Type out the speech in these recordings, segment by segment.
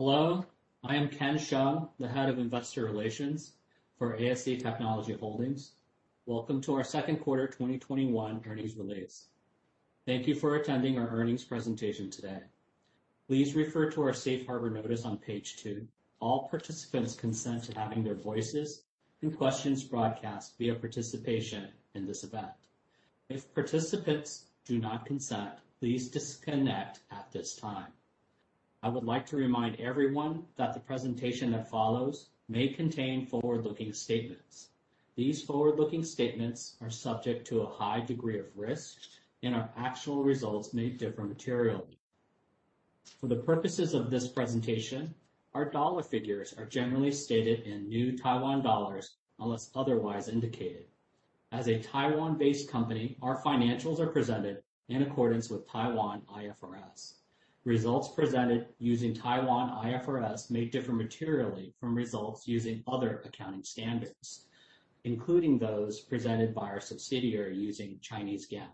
Hello, I am Ken Hsiang, the Head of Investor Relations for ASE Technology Holding. Welcome to our second quarter 2021 earnings release. Thank you for attending our earnings presentation today. Please refer to our safe harbor notice on page two. All participants consent to having their voices and questions broadcast via participation in this event. If participants do not consent, please disconnect at this time. I would like to remind everyone that the presentation that follows may contain forward-looking statements. These forward-looking statements are subject to a high degree of risk and our actual results may differ materially. For the purposes of this presentation, our dollar figures are generally stated in New Taiwan dollars unless otherwise indicated. As a Taiwan-based company, our financials are presented in accordance with Taiwan IFRS. Results presented using Taiwan IFRS may differ materially from results using other accounting standards, including those presented by our subsidiary using Chinese GAAP.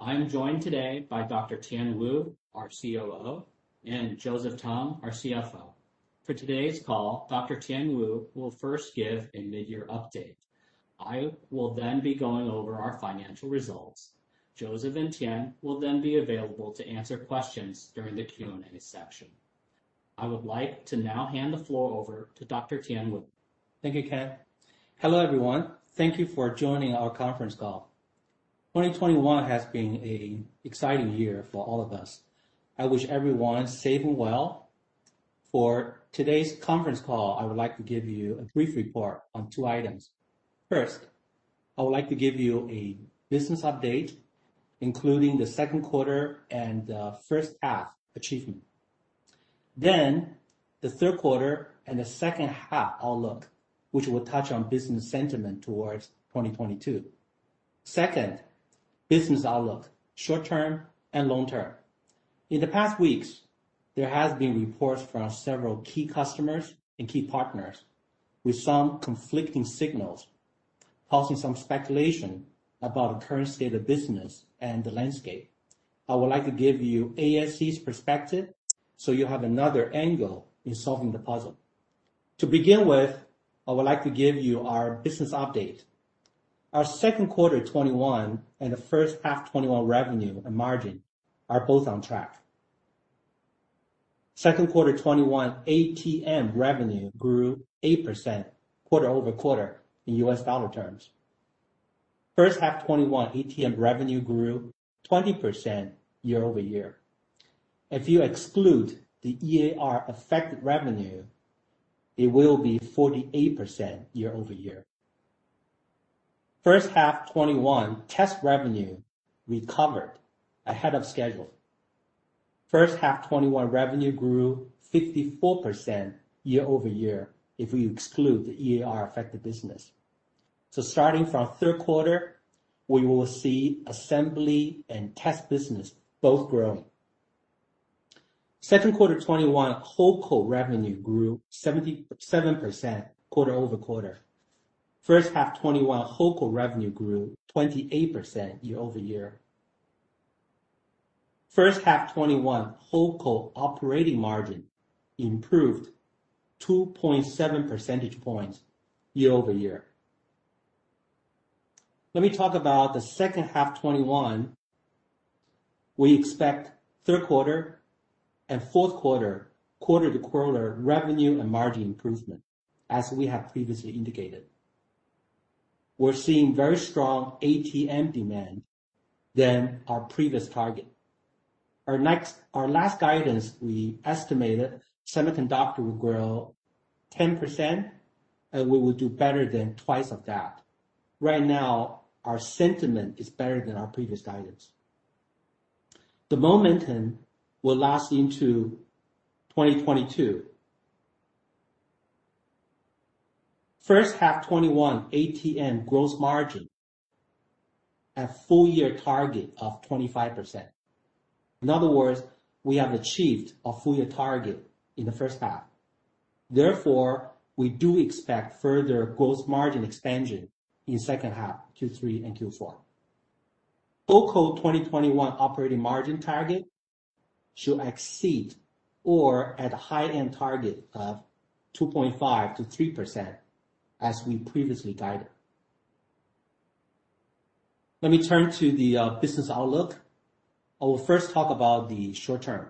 I'm joined today by Dr. Tien Wu, our COO, and Joseph Tung, our CFO. For today's call, Dr. Tien Wu will first give a mid-year update. I will then be going over our financial results. Joseph and Tien will then be available to answer questions during the Q&A section. I would like to now hand the floor over to Dr. Tien Wu. Thank you, Ken. Hello, everyone. Thank you for joining our conference call. 2021 has been an exciting year for all of us. I wish everyone safe and well. For today's conference call, I would like to give you a brief report on two items. First, I would like to give you a business update, including the second quarter and the first-half achievement. Then, the third quarter and the second-half outlook, which will touch on business sentiment towards 2022. Second, business outlook, short term and long term. In the past weeks, there has been reports from several key customers and key partners with some conflicting signals, causing some speculation about the current state of business and the landscape. I would like to give you ASE's perspective so you have another angle in solving the puzzle. To begin with, I would like to give you our business update. Our second quarter 2021 and the first-half 2021 revenue and margin are both on track. Second quarter 2021 ATM revenue grew 8% quarter-over-quarter in U.S. dollar terms. First half 2021 ATM revenue grew 20% year-over-year. If you exclude the EAR-affected revenue, it will be 48% year-over-year. First half 2021 test revenue recovered ahead of schedule. First half 2021 revenue grew 54% year-over-year if we exclude the EAR-affected business. Starting from third quarter, we will see assembly and test business both growing. Second quarter 2021 HoldCo revenue grew 77% quarter-over-quarter. First half 2021 HoldCo revenue grew 28% year-over-year. First half 2021 HoldCo operating margin improved 2.7 percentage points year-over-year. Let me talk about the second half 2021. We expect third quarter and fourth quarter-to-quarter revenue and margin improvement as we have previously indicated. We're seeing very strong ATM demand than our previous target. Our last guidance, we estimated semiconductor will grow 10%, and we will do better than twice of that. Right now, our sentiment is better than our previous guidance. The momentum will last into 2022. First half 2021 ATM gross margin at full-year target of 25%. In other words, we have achieved a full-year target in the first half. Therefore, we do expect further gross margin expansion in second half Q3 and Q4. HoldCo 2021 operating margin target should exceed or at a high-end target of 2.5%-3% as we previously guided. Let me turn to the business outlook. I will first talk about the short term.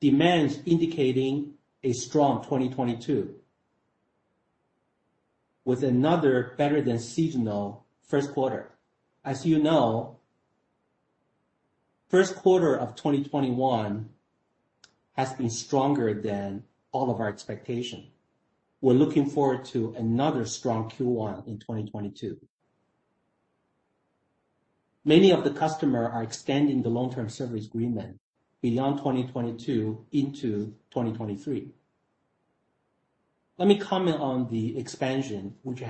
Demand's indicating a strong 2022, with another better than seasonal first quarter. As you know, first quarter of 2021 has been stronger than all of our expectation. We're looking forward to another strong Q1 in 2022. Many of the customer are extending the long-term service agreement beyond 2022 into 2023. Let me comment on the expansion, which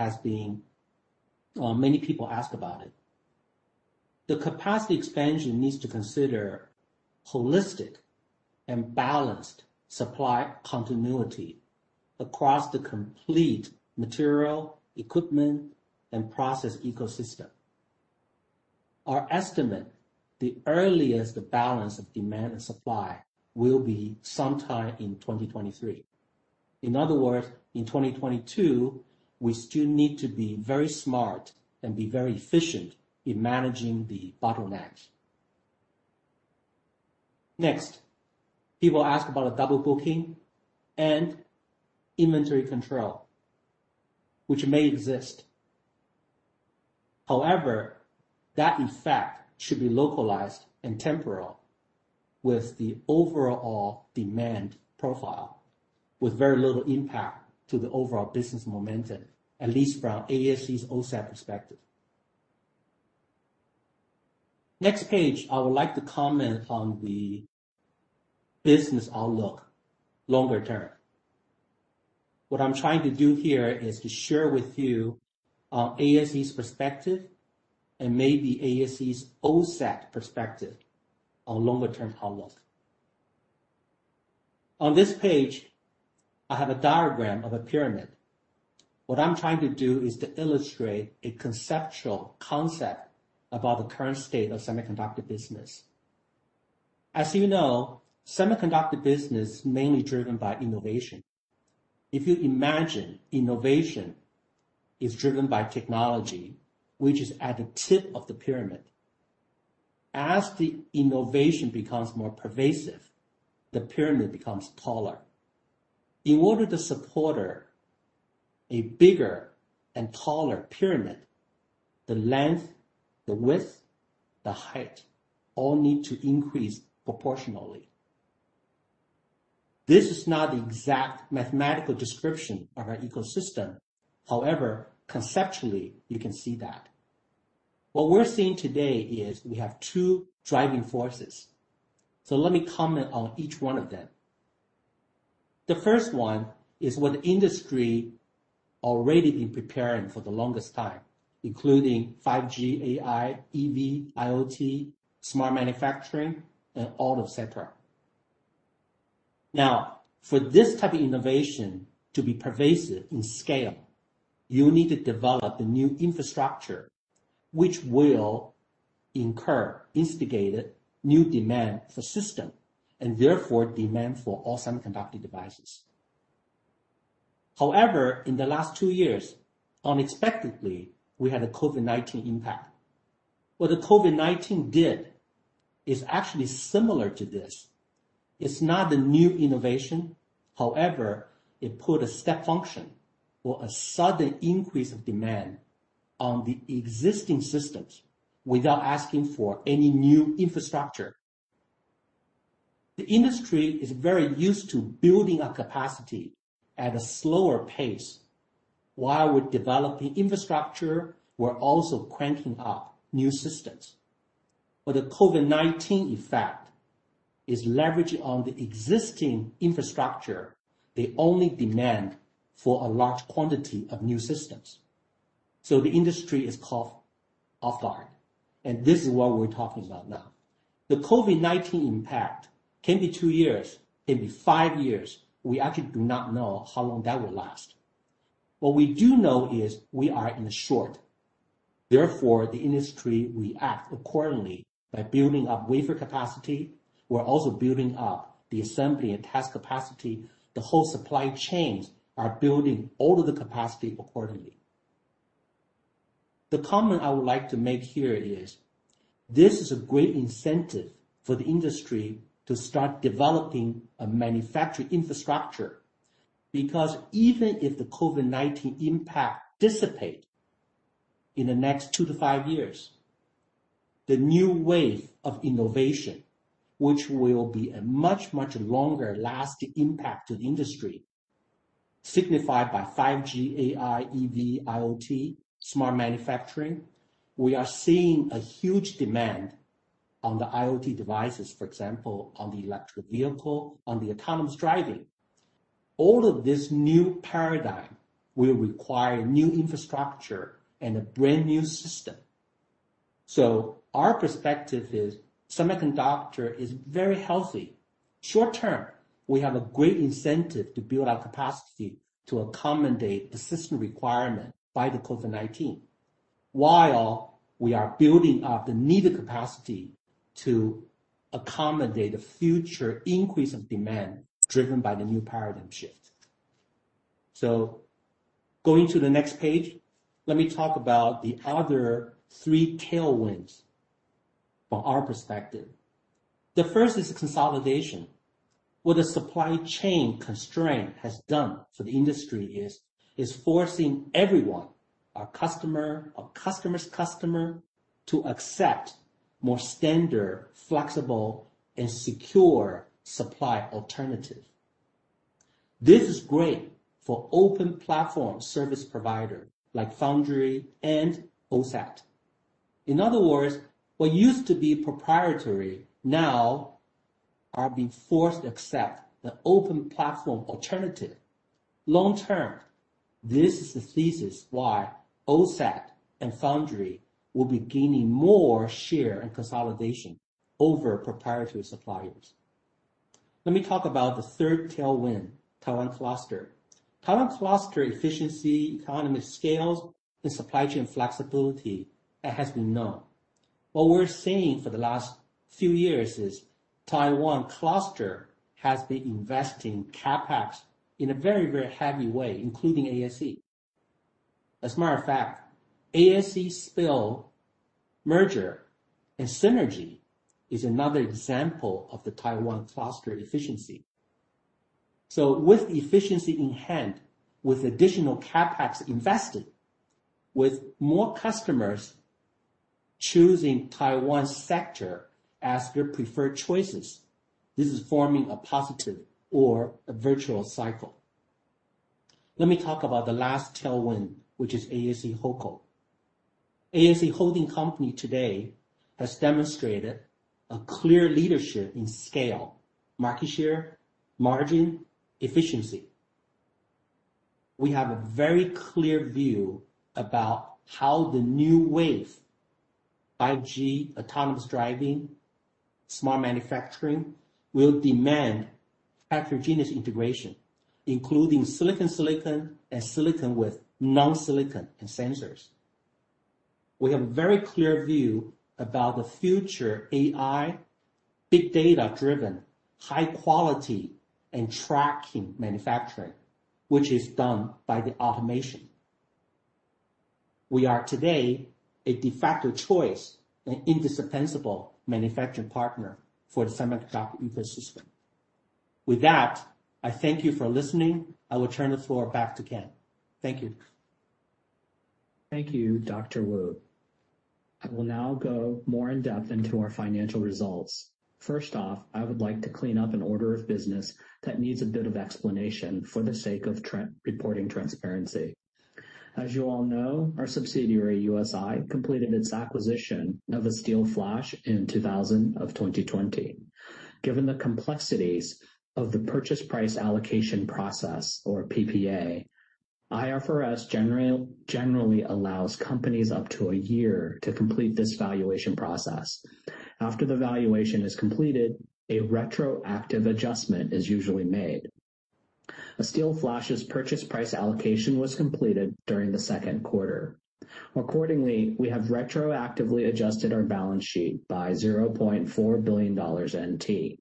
many people ask about it. The capacity expansion needs to consider holistic and balanced supply continuity across the complete material, equipment, and process ecosystem. Our estimate, the earliest balance of demand and supply will be sometime in 2023. In other words, in 2022, we still need to be very smart and be very efficient in managing the bottlenecks. Next, people ask about double booking and inventory control, which may exist. However, that effect should be localized and temporal, with the overall demand profile, with very little impact to the overall business momentum, at least from ASE's OSAT perspective. Next page, I would like to comment on the business outlook, longer term. What I'm trying to do here is to share with you ASE's perspective and maybe ASE's OSAT perspective on longer term outlook. On this page, I have a diagram of a pyramid. What I'm trying to do is to illustrate a conceptual concept about the current state of semiconductor business. As you know, semiconductor business is mainly driven by innovation. If you imagine innovation is driven by technology, which is at the tip of the pyramid. As the innovation becomes more pervasive, the pyramid becomes taller. In order to support a bigger and taller pyramid, the length, the width, the height, all need to increase proportionally. This is not the exact mathematical description of our ecosystem. However, conceptually, you can see that. What we're seeing today is we have two driving forces. Let me comment on each one of them. The first one is what industry already been preparing for the longest time, including 5G, AI, EV, IoT, smart manufacturing, and all etc. Now, for this type of innovation to be pervasive in scale, you need to develop a new infrastructure, which will incur, instigated new demand for system, and therefore demand for all semiconductor devices. In the last two years, unexpectedly, we had a COVID-19 impact. What the COVID-19 did is actually similar to this. It's not the new innovation. It put a step function or a sudden increase of demand on the existing systems without asking for any new infrastructure. The industry is very used to building a capacity at a slower pace. While we're developing infrastructure, we're also cranking up new systems. The COVID-19 effect is leveraged on the existing infrastructure, the only demand for a large quantity of new systems. The industry is caught off-guard, and this is what we're talking about now. The COVID-19 impact can be two years, can be five years. We actually do not know how long that will last. What we do know is we are in short. The industry will react accordingly by building up wafer capacity. We're also building up the assembly and test capacity. The whole supply chains are building all of the capacity accordingly. The comment I would like to make here is, this is a great incentive for the industry to start developing a manufacturing infrastructure. Because, even if the COVID-19 impact dissipate in the next two to five years, the new wave of innovation, which will be a much, much longer-lasting impact to the industry, signified by 5G, AI, EV, IoT, smart manufacturing. We are seeing a huge demand on the IoT devices, for example, on the electric vehicle, on the autonomous driving. All of this new paradigm will require new infrastructure and a brand new system. Our perspective is semiconductor is very healthy. Short term, we have a great incentive to build our capacity to accommodate the system requirement by the COVID-19, while we are building up the needed capacity to accommodate the future increase of demand driven by the new paradigm shift. Going to the next page, let me talk about the other three tailwinds from our perspective. The first is consolidation. What the supply chain constraint has done for the industry is forcing everyone, our customer, our customer's customer, to accept more standard, flexible, and secure supply alternative. This is great for open platform service provider like Foundry and OSAT. In other words, what used to be proprietary now are being forced to accept the open platform alternative. Long term, this is the thesis why OSAT and Foundry will be gaining more share and consolidation over proprietary suppliers. Let me talk about the third tailwind, Taiwan cluster. Taiwan cluster efficiency, economy scales, and supply chain flexibility has been known. What we're seeing for the last few years is Taiwan cluster has been investing CapEx in a very heavy way, including ASE. As a matter of fact, ASE/SPIL merger and synergy is another example of the Taiwan cluster efficiency. With efficiency in hand, with additional CapEx invested, with more customers choosing Taiwan's sector as their preferred choices, this is forming a positive or a virtual cycle. Let me talk about the last tailwind, which is ASE Holdco. ASE Holding Company today has demonstrated a clear leadership in scale, market share, margin, efficiency. We have a very clear view about how the new wave, 5G, autonomous driving, smart manufacturing, will demand heterogeneous integration, including silicon-silicon and silicon with non-silicon and sensors. We have a very clear view about the future AI, big data-driven, high quality, and tracking manufacturing, which is done by the automation. We are today a de facto choice, an indispensable manufacturing partner for the semiconductor ecosystem. With that, I thank you for listening. I will turn the floor back to Ken. Thank you. Thank you, Dr. Wu. I will now go more in depth into our financial results. First off, I would like to clean up an order of business that needs a bit of explanation for the sake of reporting transparency. As you all know, our subsidiary, USI, completed its acquisition of Asteelflash in 2020. Given the complexities of the purchase price allocation process or PPA, IFRS generally allows companies up to a year to complete this valuation process. After the valuation is completed, a retroactive adjustment is usually made. Asteelflash's purchase price allocation was completed during the second quarter. Accordingly, we have retroactively adjusted our balance sheet by 0.4 billion NT,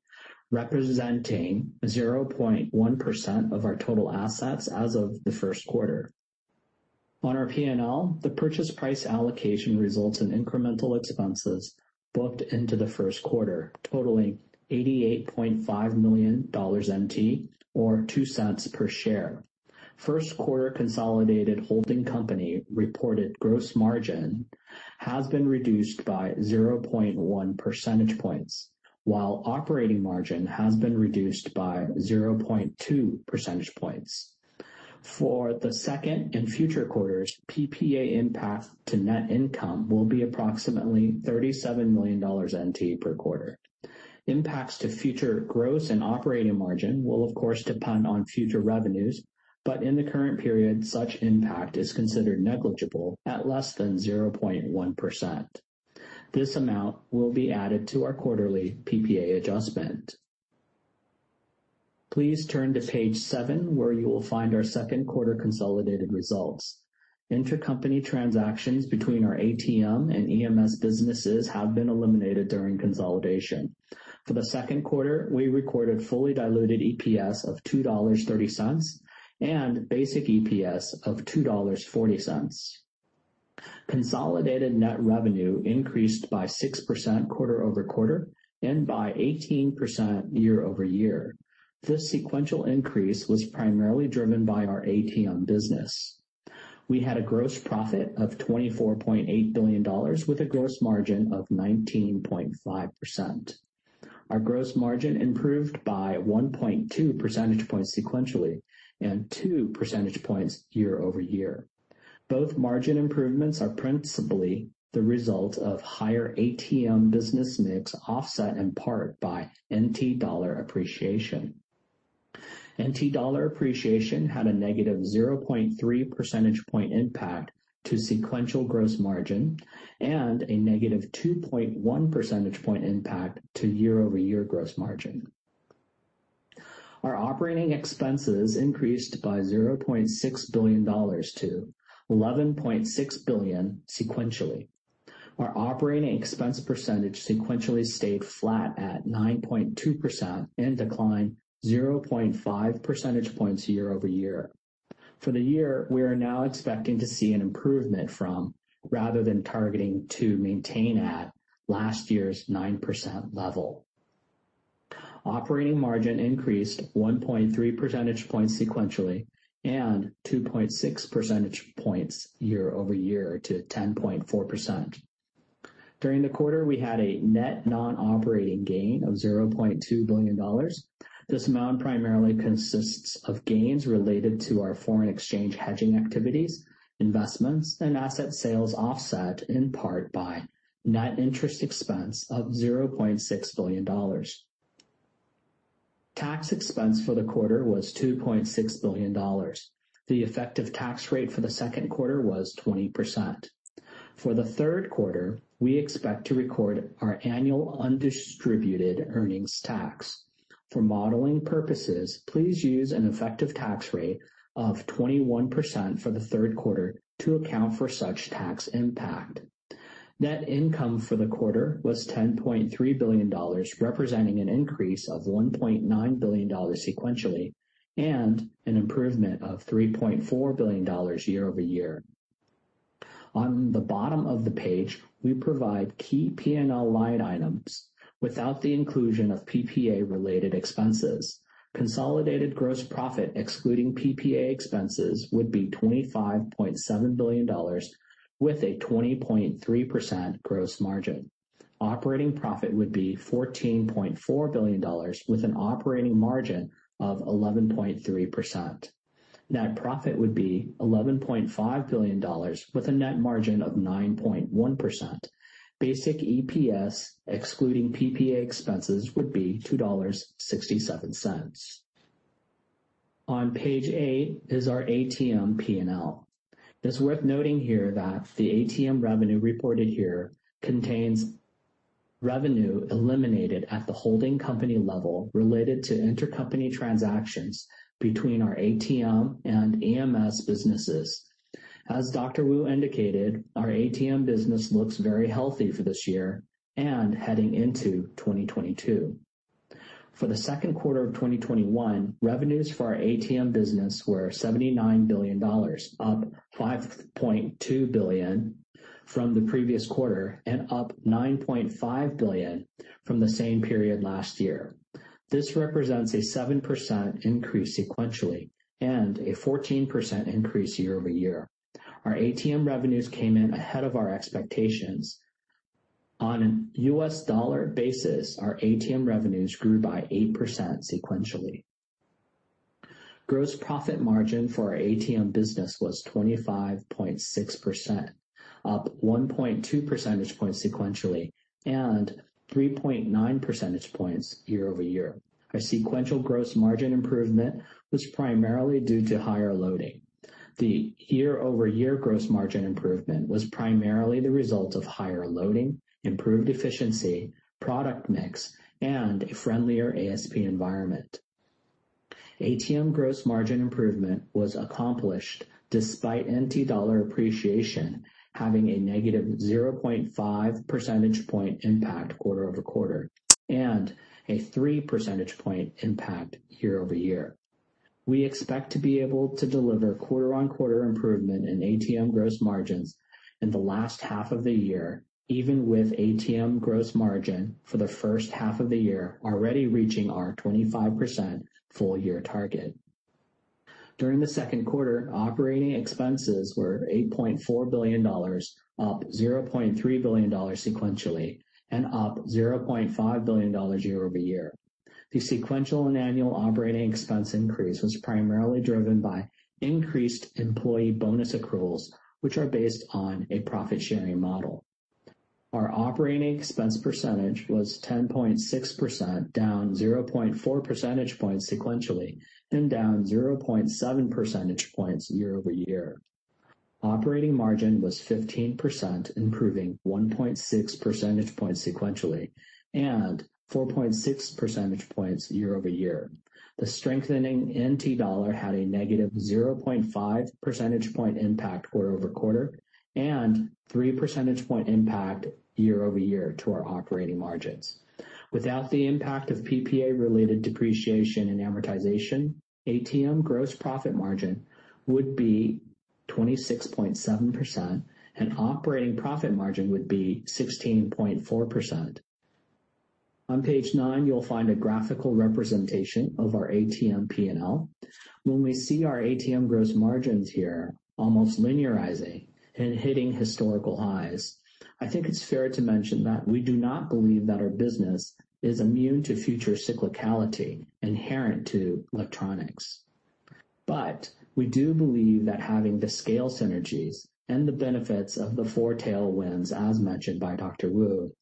representing 0.1% of our total assets as of the first quarter. On our P&L, the purchase price allocation results in incremental expenses booked into the first quarter, totaling 88.5 million dollars, or 0.02 per share. First quarter consolidated holding company reported gross margin has been reduced by 0.1 percentage points, while operating margin has been reduced by 0.2 percentage points. For the second and future quarters, PPA impact to net income will be approximately 37 million NT per quarter. Impacts to future gross and operating margin will, of course, depend on future revenues, but in the current period, such impact is considered negligible at less than 0.1%. This amount will be added to our quarterly PPA adjustment. Please turn to page seven, where you will find our second quarter consolidated results. Intracompany transactions between our ATM and EMS businesses have been eliminated during consolidation. For the second quarter, we recorded fully diluted EPS of 2.30 dollars and basic EPS of 2.40 dollars. Consolidated net revenue increased by 6% quarter-over-quarter and by 18% year-over-year. This sequential increase was primarily driven by our ATM business. We had a gross profit of 24.8 billion dollars with a gross margin of 19.5%. Our gross margin improved by 1.2 percentage points sequentially and 2 percentage points year-over-year. Both margin improvements are principally the result of higher ATM business mix, offset in part by NT dollar appreciation. NT dollar appreciation had a -0.3 percentage point impact to sequential gross margin and a -2.1 percentage point impact to year-over-year gross margin. Our operating expenses increased by 0.6 billion dollars to 11.6 billion sequentially. Our operating expense percentage sequentially stayed flat at 9.2% and declined 0.5 percentage points year-over-year. For the year, we are now expecting to see an improvement from, rather than targeting to maintain at last year's 9% level. Operating margin increased 1.3 percentage points sequentially and 2.6 percentage points year-over-year to 10.4%. During the quarter, we had a net non-operating gain of 0.2 billion dollars. This amount primarily consists of gains related to our foreign exchange hedging activities, investments, and asset sales offset in part by net interest expense of 0.6 billion dollars. Tax expense for the quarter was 2.6 billion dollars. The effective tax rate for the second quarter was 20%. For the third quarter, we expect to record our annual undistributed earnings tax. For modeling purposes, please use an effective tax rate of 21% for the third quarter to account for such tax impact. Net income for the quarter was 10.3 billion dollars, representing an increase of 1.9 billion dollars sequentially, and an improvement of 3.4 billion dollars year-over-year. On the bottom of the page, we provide key P&L line items without the inclusion of PPA related expenses. Consolidated gross profit excluding PPA expenses would be 25.7 billion dollars with a 20.3% gross margin. Operating profit would be 14.4 billion dollars with an operating margin of 11.3%. Net profit would be 11.5 billion dollars with a net margin of 9.1%. Basic EPS excluding PPA expenses would be 2.67 dollars. On page eight is our ATM P&L. It is worth noting here that the ATM revenue reported here contains revenue eliminated at the holding company level related to intercompany transactions between our ATM and EMS businesses. As Dr. Wu indicated, our ATM business looks very healthy for this year and heading into 2022. For the second quarter of 2021, revenues for our ATM business were 79 billion dollars, up 5.2 billion from the previous quarter and up 9.5 billion from the same period last year. This represents a 7% increase sequentially and a 14% increase year-over-year. Our ATM revenues came in ahead of our expectations. On a US dollar basis, our ATM revenues grew by 8% sequentially. Gross profit margin for our ATM business was 25.6%, up 1.2 percentage points sequentially and 3.9 percentage points year-over-year. Our sequential gross margin improvement was primarily due to higher loading. The year-over-year gross margin improvement was primarily the result of higher loading, improved efficiency, product mix, and a friendlier ASP environment. ATM gross margin improvement was accomplished despite NT dollar appreciation having a -0.5 percentage point impact quarter-over-quarter, and a 3 percentage point impact year-over-year. We expect to be able to deliver quarter-on-quarter improvement in ATM gross margins in the last half of the year, even with ATM gross margin for the first half of the year already reaching our 25% full-year target. During the second quarter, operating expenses were 8.4 billion dollars, up 0.3 billion dollars sequentially and up 0.5 billion dollars year-over-year. The sequential and annual operating expense increase was primarily driven by increased employee bonus accruals, which are based on a profit sharing model. Our operating expense percentage was 10.6% down 0.4 percentage points sequentially and down 0.7 percentage points year-over-year. Operating margin was 15%, improving 1.6 percentage points sequentially and 4.6 percentage points year-over-year. The strengthening NT dollar had a -0.5 percentage point impact quarter-over-quarter and 3 percentage point impact year-over-year to our operating margins. Without the impact of PPA related depreciation and amortization, ATM gross profit margin would be 26.7% and operating profit margin would be 16.4%. On page nine, you'll find a graphical representation of our ATM P&L. When we see our ATM gross margins here almost linearizing and hitting historical highs, I think it's fair to mention that we do not believe that our business is immune to future cyclicality inherent to electronics. We do believe that having the scale synergies and the benefits of the four tailwinds, as mentioned by Dr. Wu,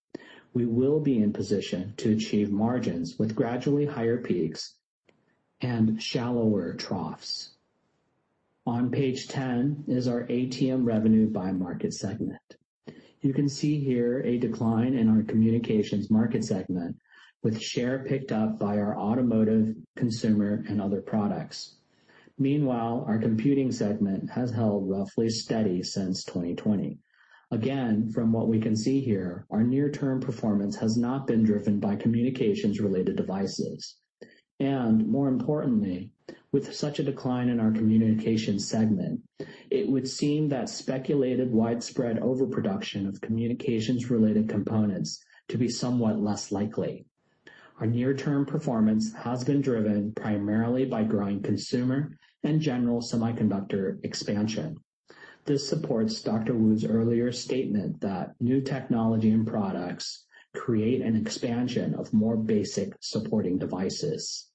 we will be in position to achieve margins with gradually higher peaks and shallower troughs. On page 10 is our ATM revenue by market segment. You can see here a decline in our communications market segment with share picked up by our automotive, consumer, and other products. Meanwhile, our computing segment has held roughly steady since 2020. Again, from what we can see here, our near-term performance has not been driven by communications-related devices. More importantly, with such a decline in our communication segment, it would seem that speculated widespread overproduction of communications related components to be somewhat less likely. Our near-term performance has been driven primarily by growing consumer and general semiconductor expansion. This supports Dr. Wu's earlier statement that new technology and products create an expansion of more basic supporting devices.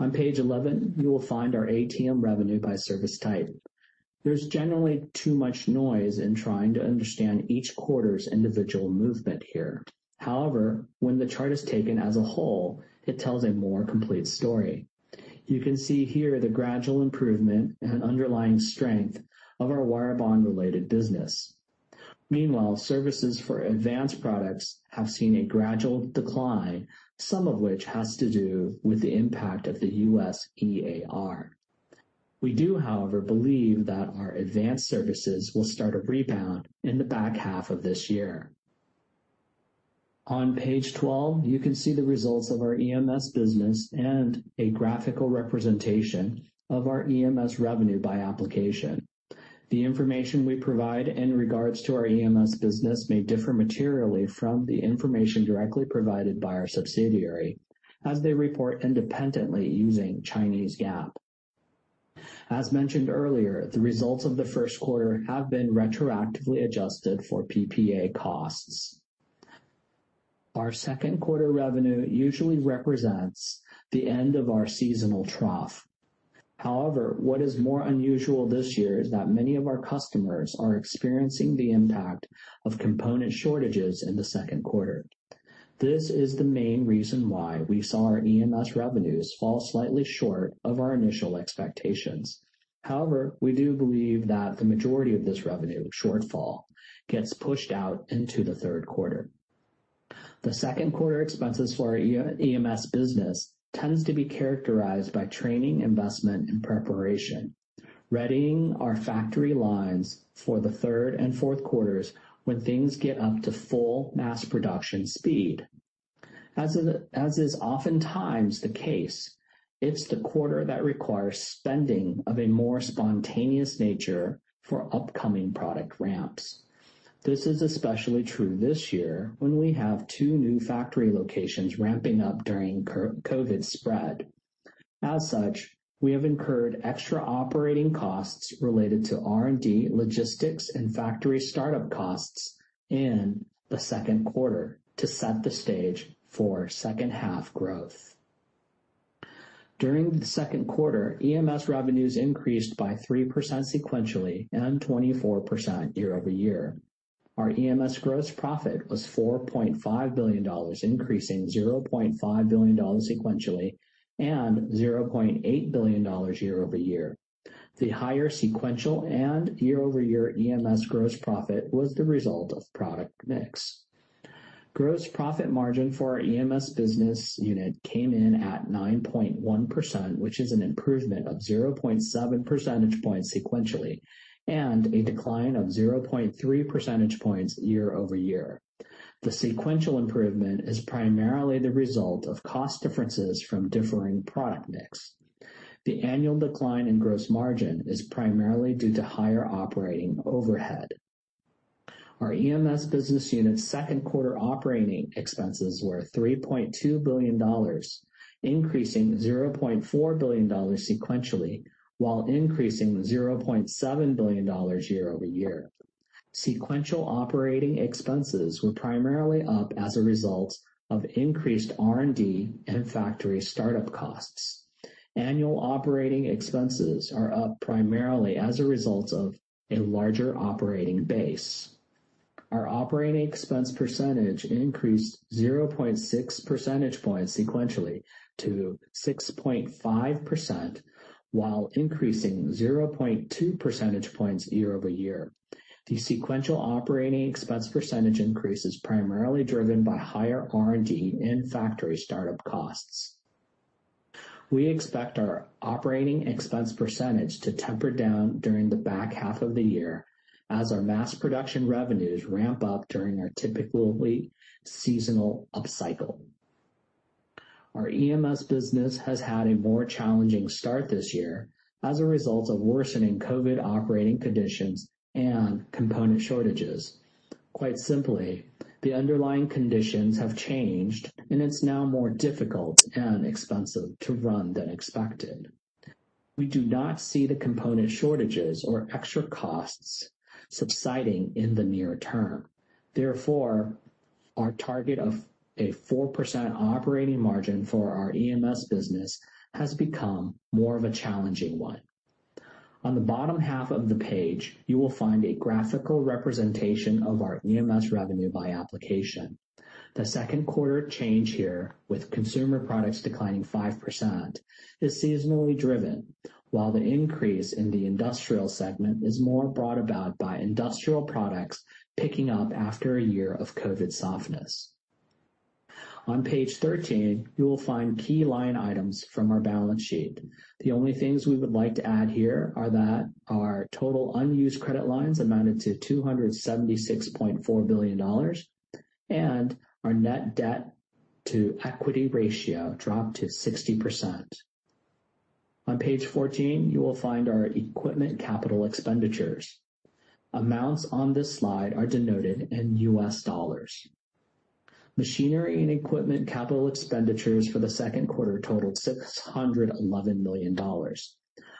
On page 11, you will find our ATM revenue by service type. There's generally too much noise in trying to understand each quarter's individual movement here. However, when the chart is taken as a whole, it tells a more complete story. You can see here the gradual improvement and underlying strength of our wire bond related business. Meanwhile, services for advanced products have seen a gradual decline, some of which has to do with the impact of the U.S. EAR. We do, however, believe that our advanced services will start a rebound in the back half of this year. On page 12, you can see the results of our EMS business and a graphical representation of our EMS revenue by application. The information we provide in regards to our EMS business may differ materially from the information directly provided by our subsidiary, as they report independently using Chinese GAAP. As mentioned earlier, the results of the first quarter have been retroactively adjusted for PPA costs. Our second quarter revenue usually represents the end of our seasonal trough. What is more unusual this year is that many of our customers are experiencing the impact of component shortages in the second quarter. This is the main reason why we saw our EMS revenues fall slightly short of our initial expectations. However, we do believe that the majority of this revenue shortfall gets pushed out into the third quarter. The second quarter expenses for our EMS business tends to be characterized by training, investment, and preparation, readying our factory lines for the third and fourth quarters when things get up to full-mass production speed. As is oftentimes the case, it's the quarter that requires spending of a more spontaneous nature for upcoming product ramps. This is especially true this year when we have two new factory locations ramping up during COVID spread. As such, we have incurred extra operating costs related to R&D, logistics, and factory startup costs in the second quarter to set the stage for second-half growth. During the second quarter, EMS revenues increased by 3% sequentially and 24% year-over-year. Our EMS gross profit was 4.5 billion dollars, increasing 0.5 billion dollars sequentially and 0.8 billion dollars year-over-year. The higher sequential and year-over-year EMS gross profit was the result of product mix. Gross profit margin for our EMS business unit came in at 9.1%, which is an improvement of 0.7 percentage points sequentially and a decline of 0.3 percentage points year-over-year. The sequential improvement is primarily the result of cost differences from differing product mix. The annual decline in gross margin is primarily due to higher operating overhead. Our EMS business unit's second quarter operating expenses were 3.2 billion dollars, increasing 0.4 billion dollars sequentially while increasing 0.7 billion dollars year-over-year. Sequential operating expenses were primarily up as a result of increased R&D and factory startup costs. Annual operating expenses are up primarily as a result of a larger operating base. Our operating expense percentage increased 0.6 percentage points sequentially to 6.5%, while increasing 0.2 percentage points year-over-year. The sequential operating expense percentage increase is primarily driven by higher R&D and factory startup costs. We expect our operating expense percentage to temper down during the back half of the year as our mass production revenues ramp up during our typically seasonal upcycle. Our EMS business has had a more challenging start this year as a result of worsening COVID-19 operating conditions and component shortages. Quite simply, the underlying conditions have changed, and it's now more difficult and expensive to run than expected. We do not see the component shortages or extra costs subsiding in the near term. Therefore, our target of a 4% operating margin for our EMS business has become more of a challenging one. On the bottom half of the page, you will find a graphical representation of our EMS revenue by application. The second quarter change here, with consumer products declining 5%, is seasonally driven, while the increase in the industrial segment is more brought about by industrial products picking up after a year of COVID-19 softness. On page 13, you will find key line items from our balance sheet. The only things we would like to add here are that our total unused credit lines amounted to 276.4 million dollars, and our net debt-to-equity ratio dropped to 60%. On page 14, you will find our equipment capital expenditures. Amounts on this slide are denoted in U.S. dollars. Machinery and equipment CapEx for the second quarter totaled $611 million,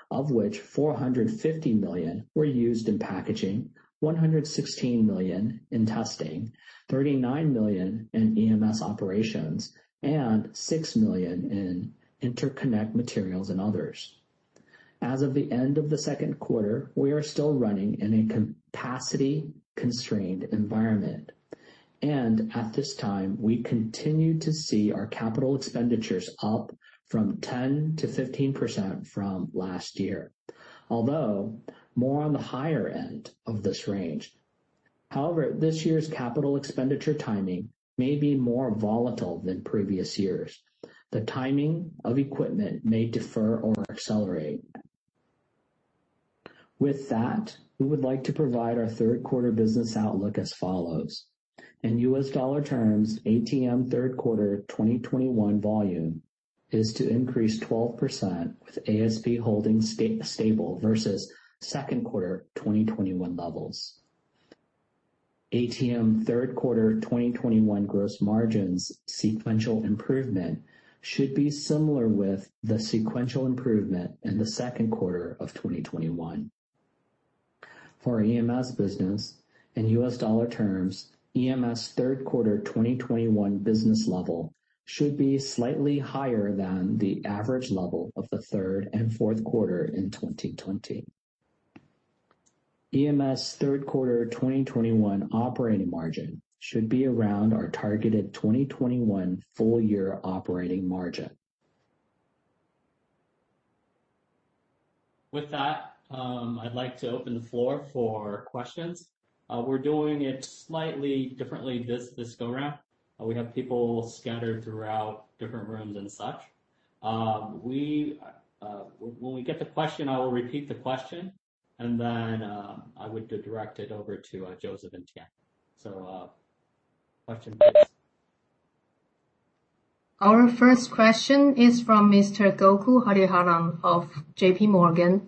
of which $450 million were used in packaging, $116 million in testing, $39 million in EMS operations, and $6 million in interconnect materials and others. As at the end of the second quarter, we are still running in a capacity-constrained environment. At this time, we continue to see our capital expenditure up from 10% to 15% from last year, although more on the higher end of this range. This year's capital expenditure timing may be more volatile than previous years. The timing of equipment may defer or accelerate. With that, we would like to provide our third quarter business outlook as follows. In U.S. dollar terms, ATM third quarter 2021 volume is to increase 12%, with ASP holding stable versus second quarter 2021 levels. ATM third quarter 2021 gross margins sequential improvement should be similar with the sequential improvement in the second quarter of 2021. For EMS business, in U.S. dollar terms, EMS third quarter 2021 business level should be slightly higher than the average level of the third and fourth quarter in 2020. EMS third quarter 2021 operating margin should be around our targeted 2021 full-year operating margin. With that, I'd like to open the floor for questions. We're doing it slightly differently this go around. We have people scattered throughout different rooms and such. When we get the question, I will repeat the question, and then I would direct it over to Joseph and Tien. Question please. Our first question is from Mr. Gokul Hariharan of JPMorgan.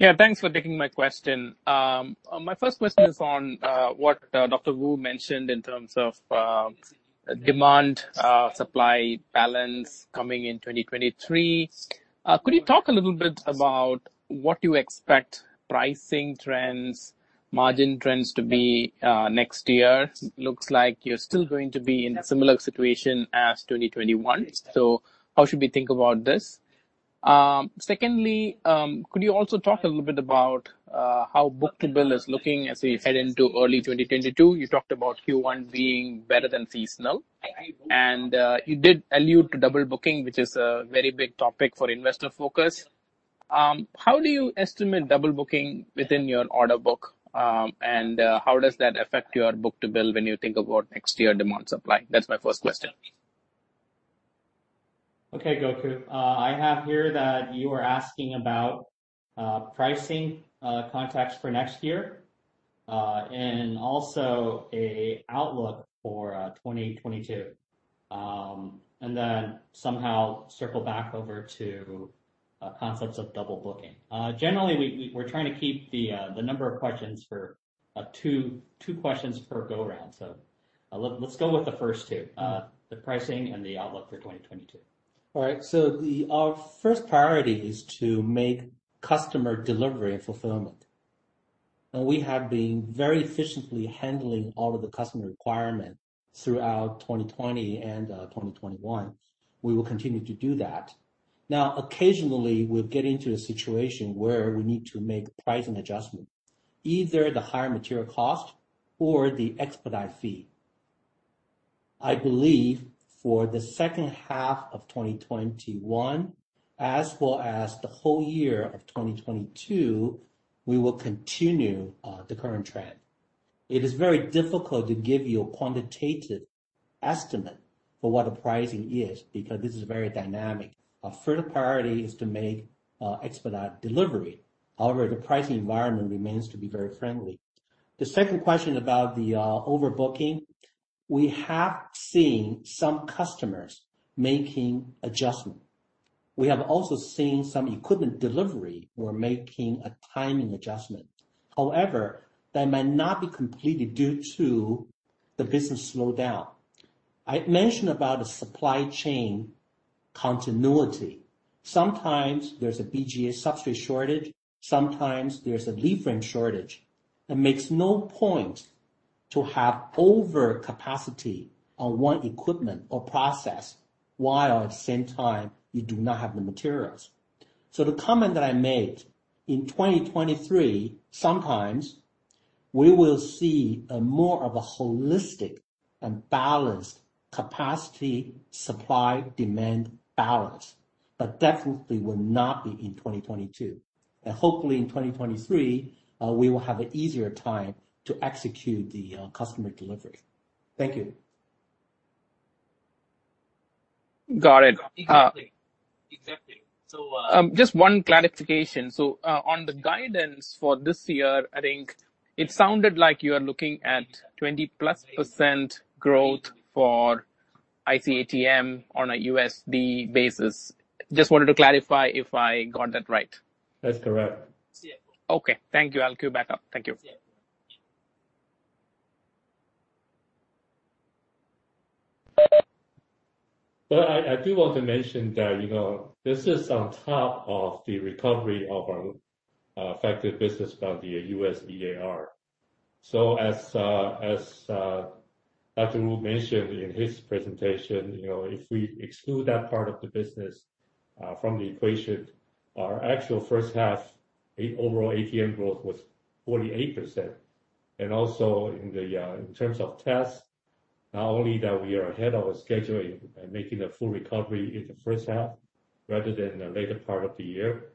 Gokul? Thanks for taking my question. My first question is on what Dr. Wu mentioned in terms of demand-supply balance coming in 2023. Could you talk a little bit about what you expect pricing trends, margin trends to be next year? Looks like you're still going to be in a similar situation as 2021. How should we think about this? Secondly, could you also talk a little bit about how book-to-bill is looking as we head into early 2022? You talked about Q1 being better than seasonal. You did allude to double booking, which is a very big topic for investor focus. How do you estimate double booking within your order book? How does that affect your book-to-bill when you think about next year demand supply? That's my first question. Okay, Gokul. I have here that you are asking about pricing context for next year, also a outlook for 2022. Somehow circle back over to concepts of double booking. Generally, we're trying to keep the number of questions for two questions per go around. Let's go with the first two, the pricing and the outlook for 2022. Our first priority is to make customer delivery and fulfillment. We have been very efficiently handling all of the customer requirements throughout 2020 and 2021. We will continue to do that. Now, occasionally, we'll get into a situation where we need to make pricing adjustment, either the higher material cost or the expedite fee. I believe for the second half of 2021, as well as the whole year of 2022, we will continue the current trend. It is very difficult to give you a quantitative estimate for what the pricing is because this is very dynamic. Our further priority is to make expedite delivery. However, the pricing environment remains to be very friendly. The second question about the overbooking, we have seen some customers making adjustment. We have also seen some equipment delivery were making a timing adjustment. However, that might not be completed due to the business slowdown. I mentioned about a supply chain continuity. Sometimes there's a BGA substrate shortage, sometimes there's a lead frame shortage. It makes no point to have over capacity on one equipment or process, while at the same time, you do not have the materials. The comment that I made, in 2023, sometimes we will see a more of a holistic and balanced capacity supply-demand balance, but definitely will not be in 2022. Hopefully in 2023, we will have an easier time to execute the customer delivery. Thank you. Got it. Exactly. Just one clarification. On the guidance for this year, I think it sounded like you are looking at 20%+ growth for IC ATM on a USD basis. Just wanted to clarify if I got that right? That's correct. Okay. Thank you. I'll queue back up. Thank you. I do want to mention that this is on top of the recovery of our affected business by the U.S. EAR. As Dr. Wu mentioned in his presentation, if we exclude that part of the business from the equation, our actual first half overall ATM growth was 48%. Also in terms of tests, not only that we are ahead of our schedule in making a full recovery in the first half rather than the later part of the year.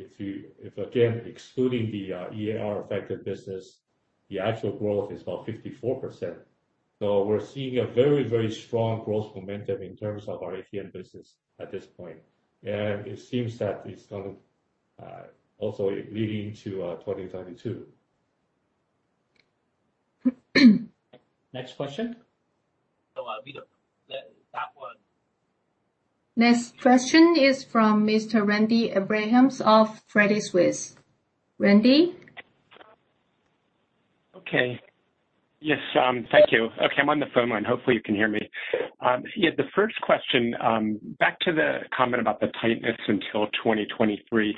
If again, excluding the EAR-affected business, the actual growth is about 54%. We're seeing a very, very strong growth momentum in terms of our ATM business at this point. It seems that it's going also leading into 2022. Next question. [I'll build up], that one. Next question is from Mr. Randy Abrams of Credit Suisse. Randy? Yes, thank you. I'm on the phone line. Hopefully, you can hear me. The first question, back to the comment about the tightness until 2023.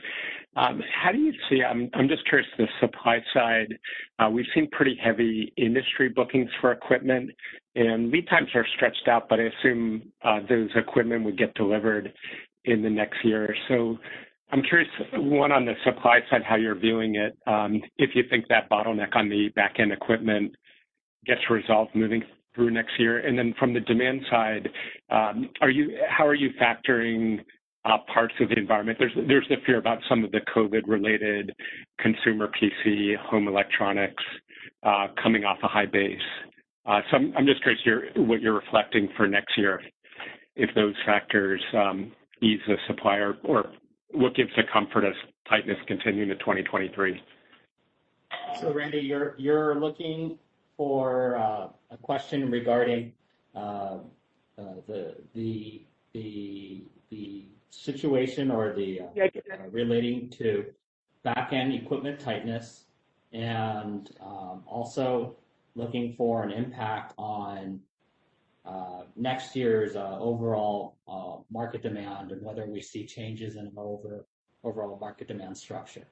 How do you see, I'm just curious, the supply side, we've seen pretty heavy industry bookings for equipment, and lead times are stretched out, but I assume those equipment would get delivered in the next year or so? I'm curious, one, on the supply side, how you're viewing it, if you think that bottleneck on the back-end equipment gets resolved moving through next year. From the demand side, how are you factoring parts of the environment? There's the fear about some of the COVID-related consumer PC, home electronics, coming off a high base. I'm just curious what you're reflecting for next year, if those factors ease the supplier or what gives the comfort of tightness continuing to 2023. Randy, you're looking for a question regarding the situation- Yeah ...relating to back-end equipment tightness and also looking for an impact on next year's overall market demand and whether we see changes in overall market demand structure?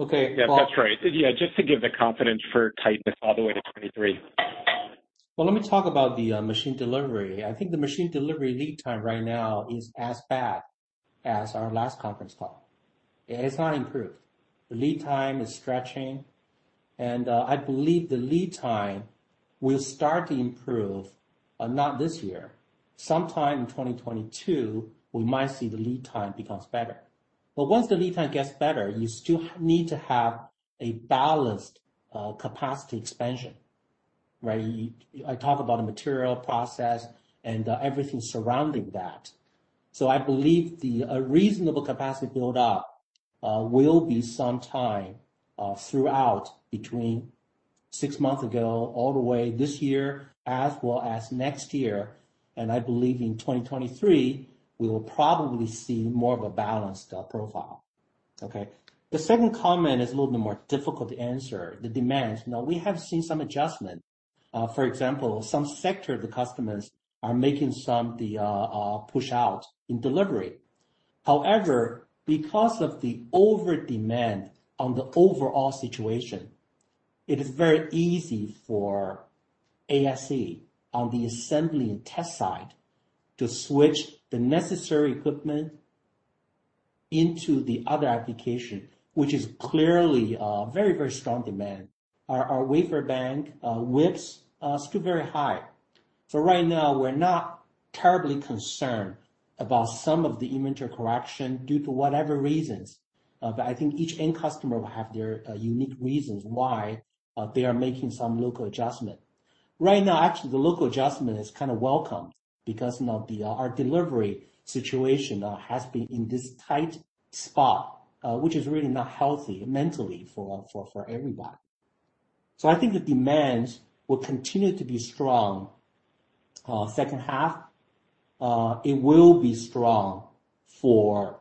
Yes, that's right. Yeah, just to give the confidence for tightness all the way to 2023. Well, let me talk about the machine delivery. I think the machine delivery lead time right now is as bad as our last conference call. It's not improved. The lead time is stretching, and I believe the lead time will start to improve, not this year. Sometime in 2022, we might see the lead time becomes better. Once the lead time gets better, you still need to have a balanced capacity expansion, right? I talk about the material process and everything surrounding that. I believe the reasonable capacity build-up will be some time throughout, between six months ago all the way this year as well as next year, and I believe in 2023, we will probably see more of a balanced profile. Okay. The second comment is a little bit more difficult to answer, the demand. Now, we have seen some adjustment. For example, some sector of the customers are making some of the push-outs in delivery. However, because of the over-demand on the overall situation, it is very easy for ASE on the assembly and test side to switch the necessary equipment into the other application, which is clearly very, very strong demand. Our wafer bank WIPs are still very high. Right now, we're not terribly concerned about some of the inventory correction due to whatever reasons. I think each end customer will have their unique reasons why they are making some local adjustment. Right now, actually, the local adjustment is kind of welcome because now our delivery situation has been in this tight spot, which is really not healthy mentally for everybody. I think the demands will continue to be strong second half. It will be strong for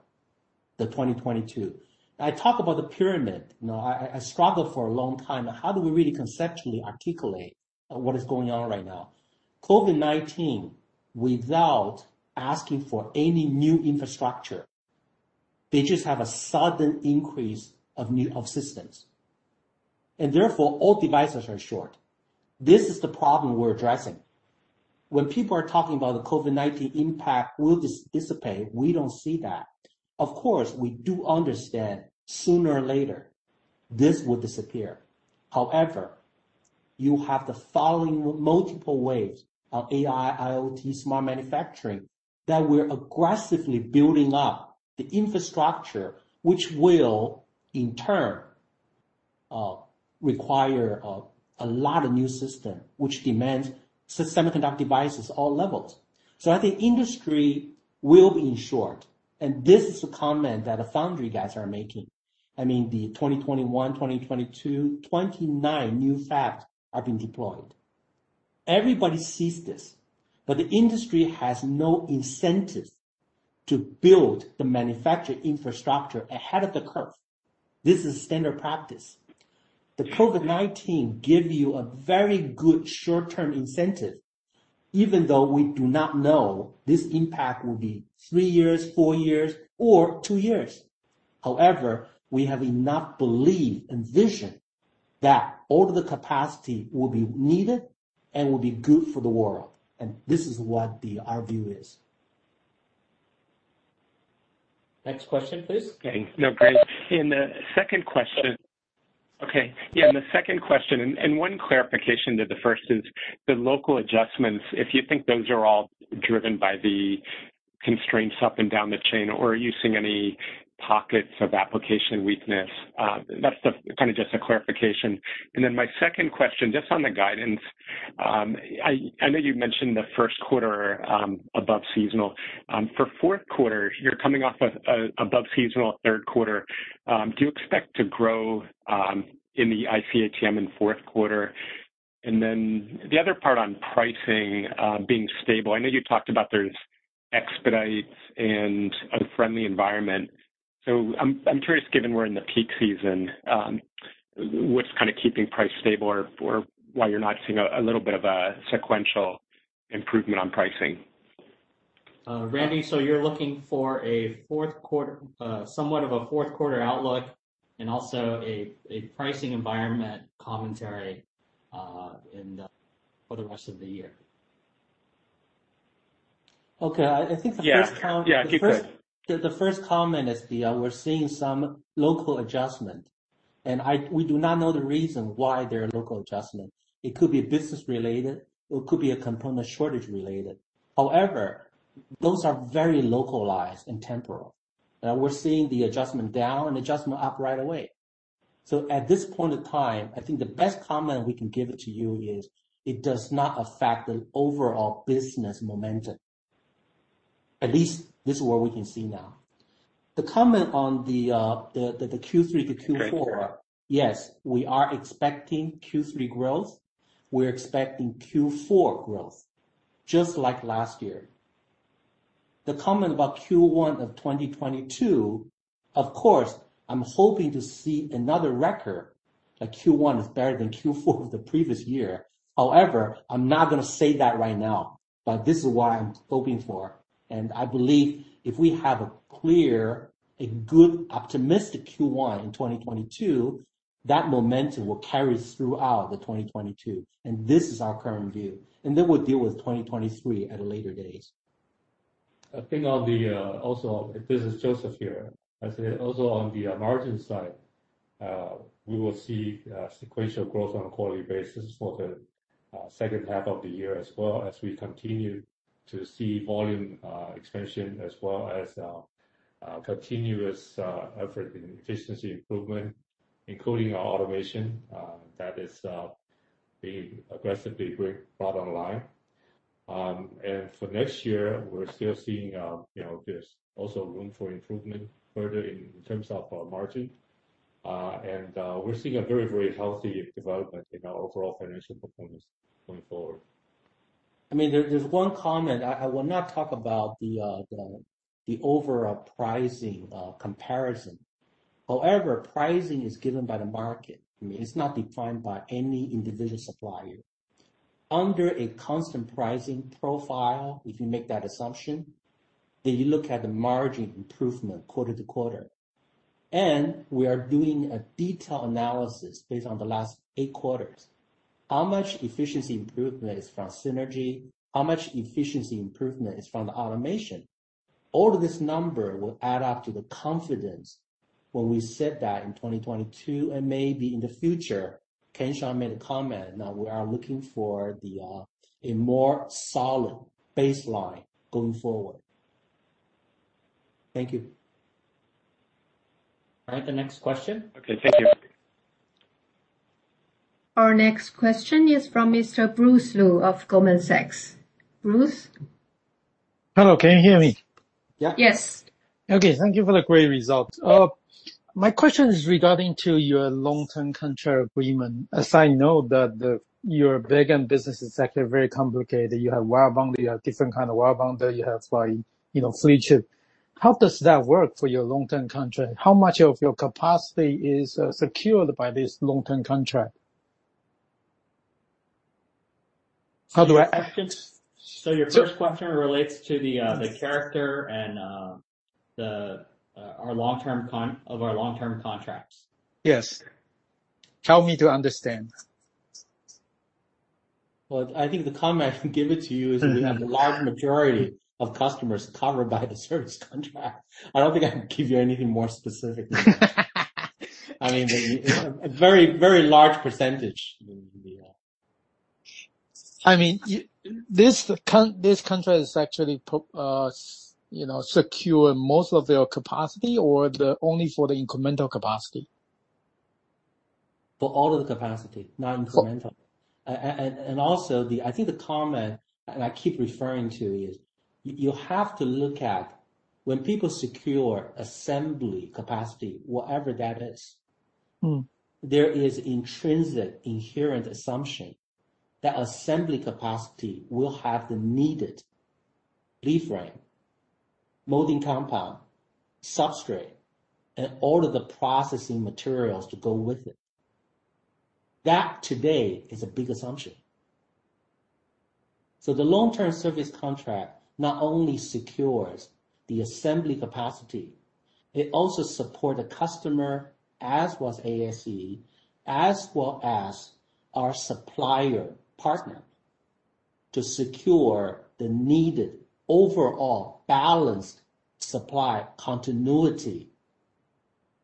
the 2022. I talk about the pyramid. I struggled for a long time. How do we really conceptually articulate what is going on right now? COVID-19, without asking for any new infrastructure, they just have a sudden increase of new off systems. Therefore, all devices are short. This is the problem we're addressing. When people are talking about the COVID-19 impact will dissipate, we don't see that. Of course, we do understand sooner or later, this will disappear. You have the following multiple waves of AI, IoT, smart manufacturing, that we're aggressively building up the infrastructure, which will, in turn, require a lot of new system, which demands semiconductor devices, all levels. I think industry will be in short, and this is a comment that the Foundry guys are making. I mean, the 2021, 2022, 29 new fabs have been deployed. Everybody sees this, but the industry has no incentives to build the manufacturing infrastructure ahead of the curve. This is standard practice. The COVID-19 give you a very good short-term incentive, even though we do not know this impact will be three years, four years, or two years. However, we have enough belief and vision that all the capacity will be needed and will be good for the world, and this is what our view is. Next question, please. Okay. No, great. In the second question, one clarification to the 1st is the local adjustments, if you think those are all driven by the constraints up and down the chain, or are you seeing any pockets of application weakness. That is kind of just a clarification. My second question, just on the guidance. I know you mentioned the first quarter above seasonal. For fourth quarter, you are coming off an above seasonal third quarter. Do you expect to grow in the IC ATM in fourth quarter? The other part on pricing being stable, I know you talked about there are expedites and a friendly environment. I am curious, given we are in the peak season, what is kind of keeping price stable or why you are not seeing a little bit of a sequential improvement on pricing? Randy, you're looking for somewhat of a fourth quarter outlook and also a pricing environment commentary for the rest of the year? Okay. I think the first comment- Yeah, if you could- The first comment is we're seeing some local adjustment, and we do not know the reason why there are local adjustments. It could be business-related, or it could be a component shortage related. Those are very localized and temporal. We're seeing the adjustment down and adjustment up right away. At this point in time, I think the best comment we can give it to you is it does not affect the overall business momentum. At least this is what we can see now. The comment on the Q3 to Q4- Thank you. ...Yes, we are expecting Q3 growth. We're expecting Q4 growth, just like last year. The comment about Q1 of 2022, of course, I'm hoping to see another record, that Q1 is better than Q4 of the previous year. However, I'm not going to say that right now. This is what I'm hoping for, and I believe if we have a clear, a good, optimistic Q1 in 2022, that momentum will carry throughout the 2022, and this is our current view. Then we'll deal with 2023 at a later date. A thing on the...also, this is Joseph here. I say also on the margin side, we will see sequential growth on a quarterly basis for the second half of the year as well as we continue to see volume expansion, as well as our continuous effort in efficiency improvement, including our automation. That is being aggressively brought online. For next year, we're still seeing there's also room for improvement further in terms of our margin. We're seeing a very healthy development in our overall financial performance going forward. There's one comment. I will not talk about the overall pricing comparison. However, pricing is given by the market. It's not defined by any individual supplier. Under a constant pricing profile, if you make that assumption, then you look at the margin improvement quarter-to-quarter. We are doing a detailed analysis based on the last eight quarters. How much efficiency improvement is from synergy, how much efficiency improvement is from the automation? All this number will add up to the confidence when we said that in 2022, and maybe in the future, Ken Hsiang made a comment, now we are looking for a more solid baseline going forward. Thank you. All right. The next question. Okay. Thank you. Our next question is from Mr. Bruce Lu of Goldman Sachs. Bruce? Hello, can you hear me? Yeah. Yes. Okay. Thank you for the great results. My question is regarding to your long-term contract agreement. I know that your back-end business is actually very complicated. You have wire bond, you have different kind of wire bond, you have flip chip. How does that work for your long-term contract? How much of your capacity is secured by this long-term contract? How do I....Your first question relates to the character of our long-term contracts? Yes. Help me to understand. Well, I think the comment I can give it to you is that we have the large majority of customers covered by the service contract. I don't think I can give you anything more specific than that. A very large percentage. This contract is actually secure most of your capacity, or only for the incremental capacity? For all of the capacity, not incremental. Also, I think the comment that I keep referring to is you have to look at when people secure assembly capacity, whatever that is. There is intrinsic, inherent assumption that assembly capacity will have the needed lead frame molding compound, substrate, and all of the processing materials to go with it. That today is a big assumption. The long-term service contract not only secures the assembly capacity, it also support the customer, as well as ASE, as well as our supplier partner, to secure the needed overall balanced supply continuity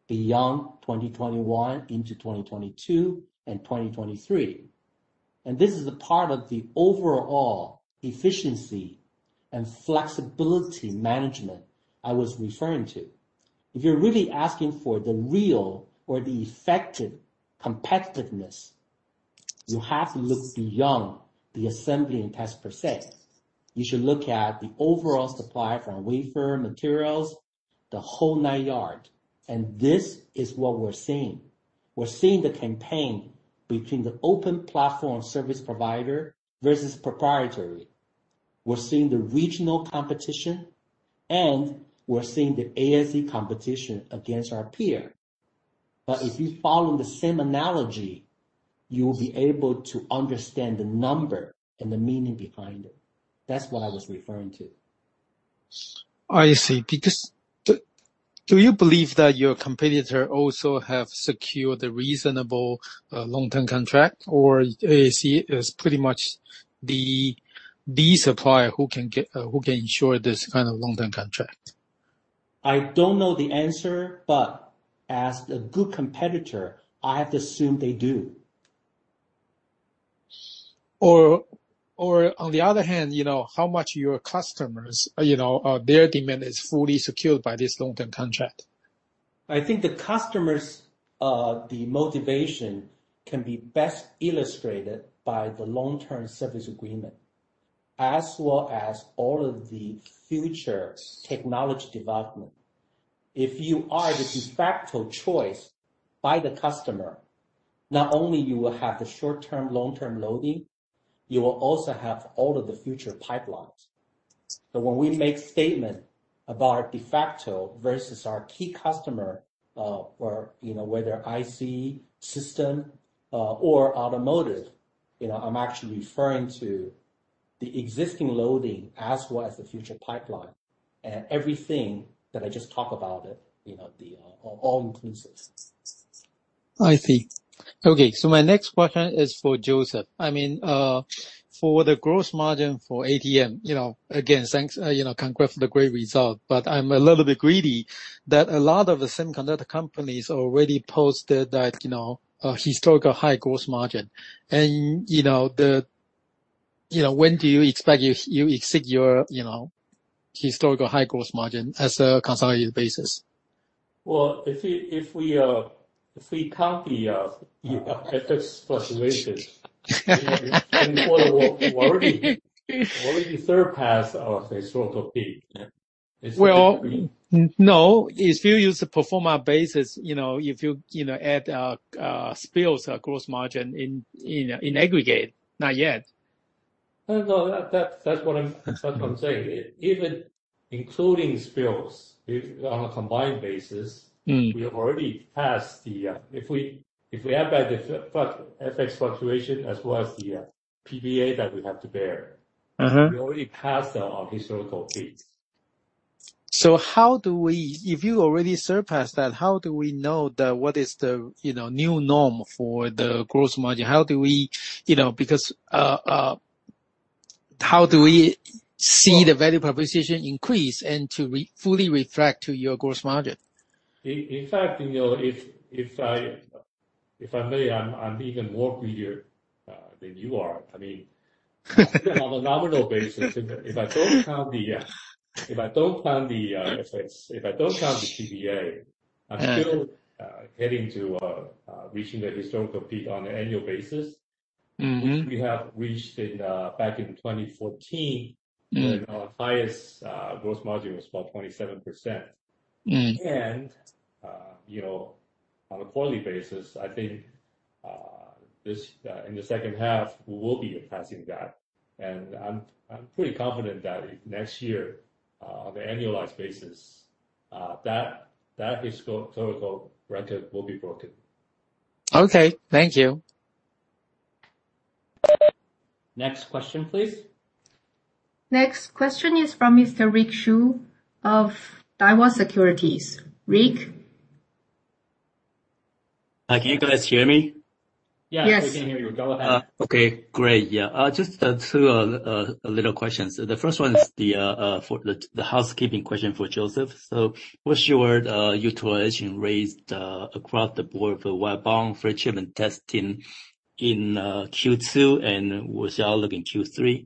beyond 2021 into 2022 and 2023. This is a part of the overall efficiency and flexibility management I was referring to. If you're really asking for the real or the effective competitiveness, you have to look beyond the assembly and test per se. You should look at the overall supply from wafer materials, the whole 9 yards, and this is what we're seeing. We're seeing the campaign between the open platform service provider versus proprietary. We're seeing the regional competition, and we're seeing the ASE competition against our peer. If you follow the same analogy, you will be able to understand the number and the meaning behind it. That's what I was referring to. I see. Do you believe that your competitor also have secured a reasonable long-term contract, or ASE is pretty much the supplier who can ensure this kind of long-term contract? I don't know the answer, but as a good competitor, I have to assume they do. On the other hand, how much your customers, their demand is fully secured by this long-term contract? I think the customers, the motivation can be best illustrated by the long-term service agreement, as well as all of the future technology development. If you are the de facto choice by the customer, not only you will have the short-term, long-term loading, you will also have all of the future pipelines. When we make statement about de facto versus our key customer, whether IC system or automotive, I'm actually referring to the existing loading as well as the future pipeline and everything that I just talk about it, all inclusive. I see. Okay. My next question is for Joseph. For the gross margin for ATM, again, congrats for the great result, I'm a little bit greedy that a lot of the semiconductor companies already posted that historical high gross margin. When do you expect you exceed your historical high gross margin as a consolidated basis? Well, if we count the FX fluctuation, we already surpass our historical peak. Well, no. If you use a pro forma basis, if you add SPIL's gross margin in aggregate, not yet. No, that's what I'm saying. Even including SPIL's on a combined basis. If we add back the FX fluctuation as well as the PPA that we have to bear. We already passed our historical peak. If you already surpassed that, how do we know that what is the new norm for the gross margin? How do we see the value proposition increase and to fully reflect to your gross margin? In fact, if I may, I'm even more greedier than you are. On a nominal basis, if I don't count the FX, if I don't count the PPA, I'm still heading to reaching the historical peak on an annual basis. Which we have reached back in 2014. When our highest gross margin was about 27%. On a quarterly basis, I think, in the second half, we will be surpassing that, and I'm pretty confident that if next year, on the annualized basis, that historical record will be broken. Okay, thank you. Next question, please. Next question is from Mr. Rick Hsu of Daiwa Securities. Rick? Hi, can you guys hear me? Yes. Yeah, we can hear you. Go ahead. Okay, great. Just two little questions. The first one is the housekeeping question for Joseph. Was your utilization raised across the board for wire bond flip chip and testing in Q2, and what's your outlook in Q3?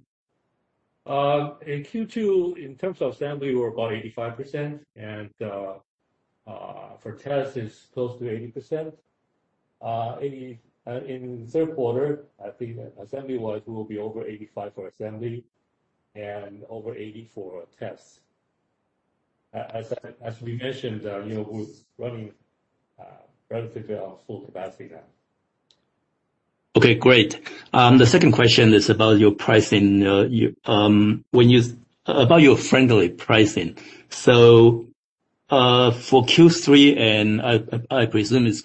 In Q2, in terms of assembly, we're about 85%, and for test is close to 80%. In the third quarter, I think assembly-wise, we will be over 85% for assembly and over 80% for tests. As we mentioned, we're running relatively on full capacity now. Okay, great. The second question is about your friendly pricing. For Q3, I presume it's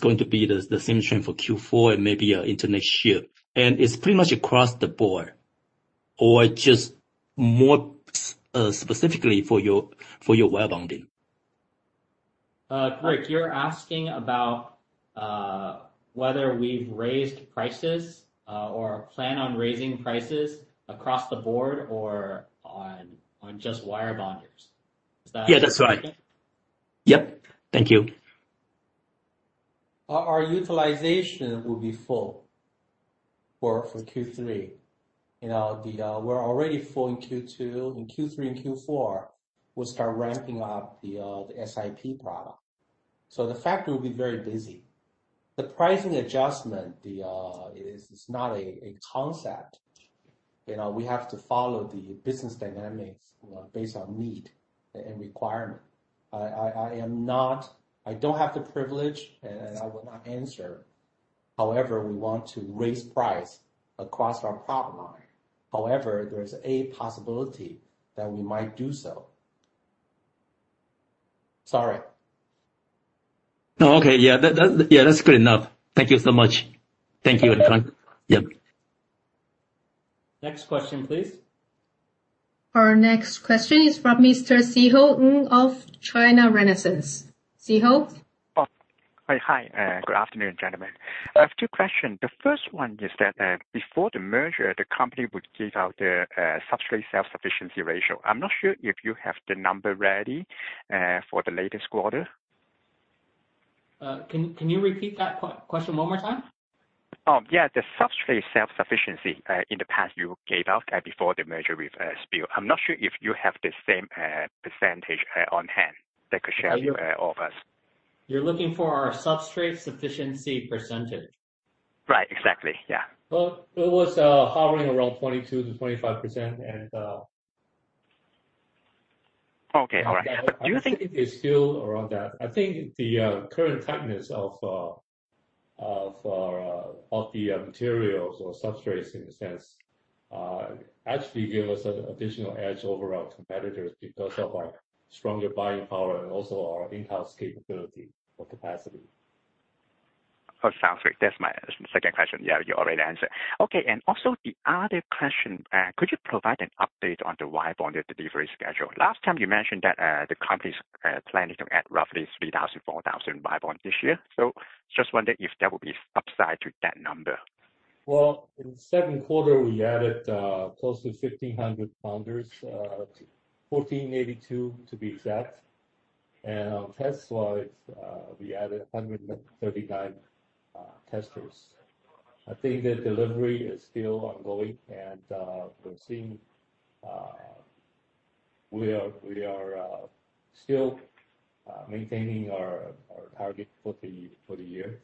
going to be the same trend for Q4 and maybe into next year. It's pretty much across the board, or just more specifically for your wire bonding. Rick, you're asking about whether we've raised prices or plan on raising prices across the board or on just wire bonders. Is that? Yeah, that's right. Yep. Thank you. Our utilization will be full for Q3. We're already full in Q2. In Q3 and Q4, we'll start ramping up the SiP product. The factory will be very busy. The pricing adjustment is not a concept. We have to follow the business dynamics based on need and requirement. I don't have the privilege, and I will not answer however we want to raise price across our product line. There is a possibility that we might do so. Sorry. No. Okay. Yeah. That's good enough. Thank you so much. Thank you, [Ed Kang]. Yep. Next question, please. Our next question is from Mr. Szeho Ng of China Renaissance. Szeho? Hi. Good afternoon, gentlemen. I have two questions. The first one is that before the merger, the company would give out the substrate self-sufficiency ratio. I'm not sure if you have the number ready for the latest quarter. Can you repeat that question one more time? Yeah. The substrate self-sufficiency. In the past you gave out, before the merger with SPIL. I'm not sure if you have the same percentage on hand that could share with all of us. You're looking for our substrate sufficiency percentage? Right. Exactly. Yeah. Well, it was hovering around 22%-25%. Okay. All right. I think it's still around that. I think the current tightness of the materials or substrates in a sense, actually give us an additional edge over our competitors because of our stronger buying power and also our in-house capability or capacity. Sounds like that's my second question, yeah, you already answered. Also the other question, could you provide an update on the wire bond delivery schedule? Last time you mentioned that the company's planning to add roughly 3,000-4,000 wire bond this year. Just wonder if there will be upside to that number. Well, in the second quarter we added close to 1,500 bonders, 1,482 to be exact. On test side, we added 139 testers. I think the delivery is still ongoing, we're seeing we are still maintaining our target for the year,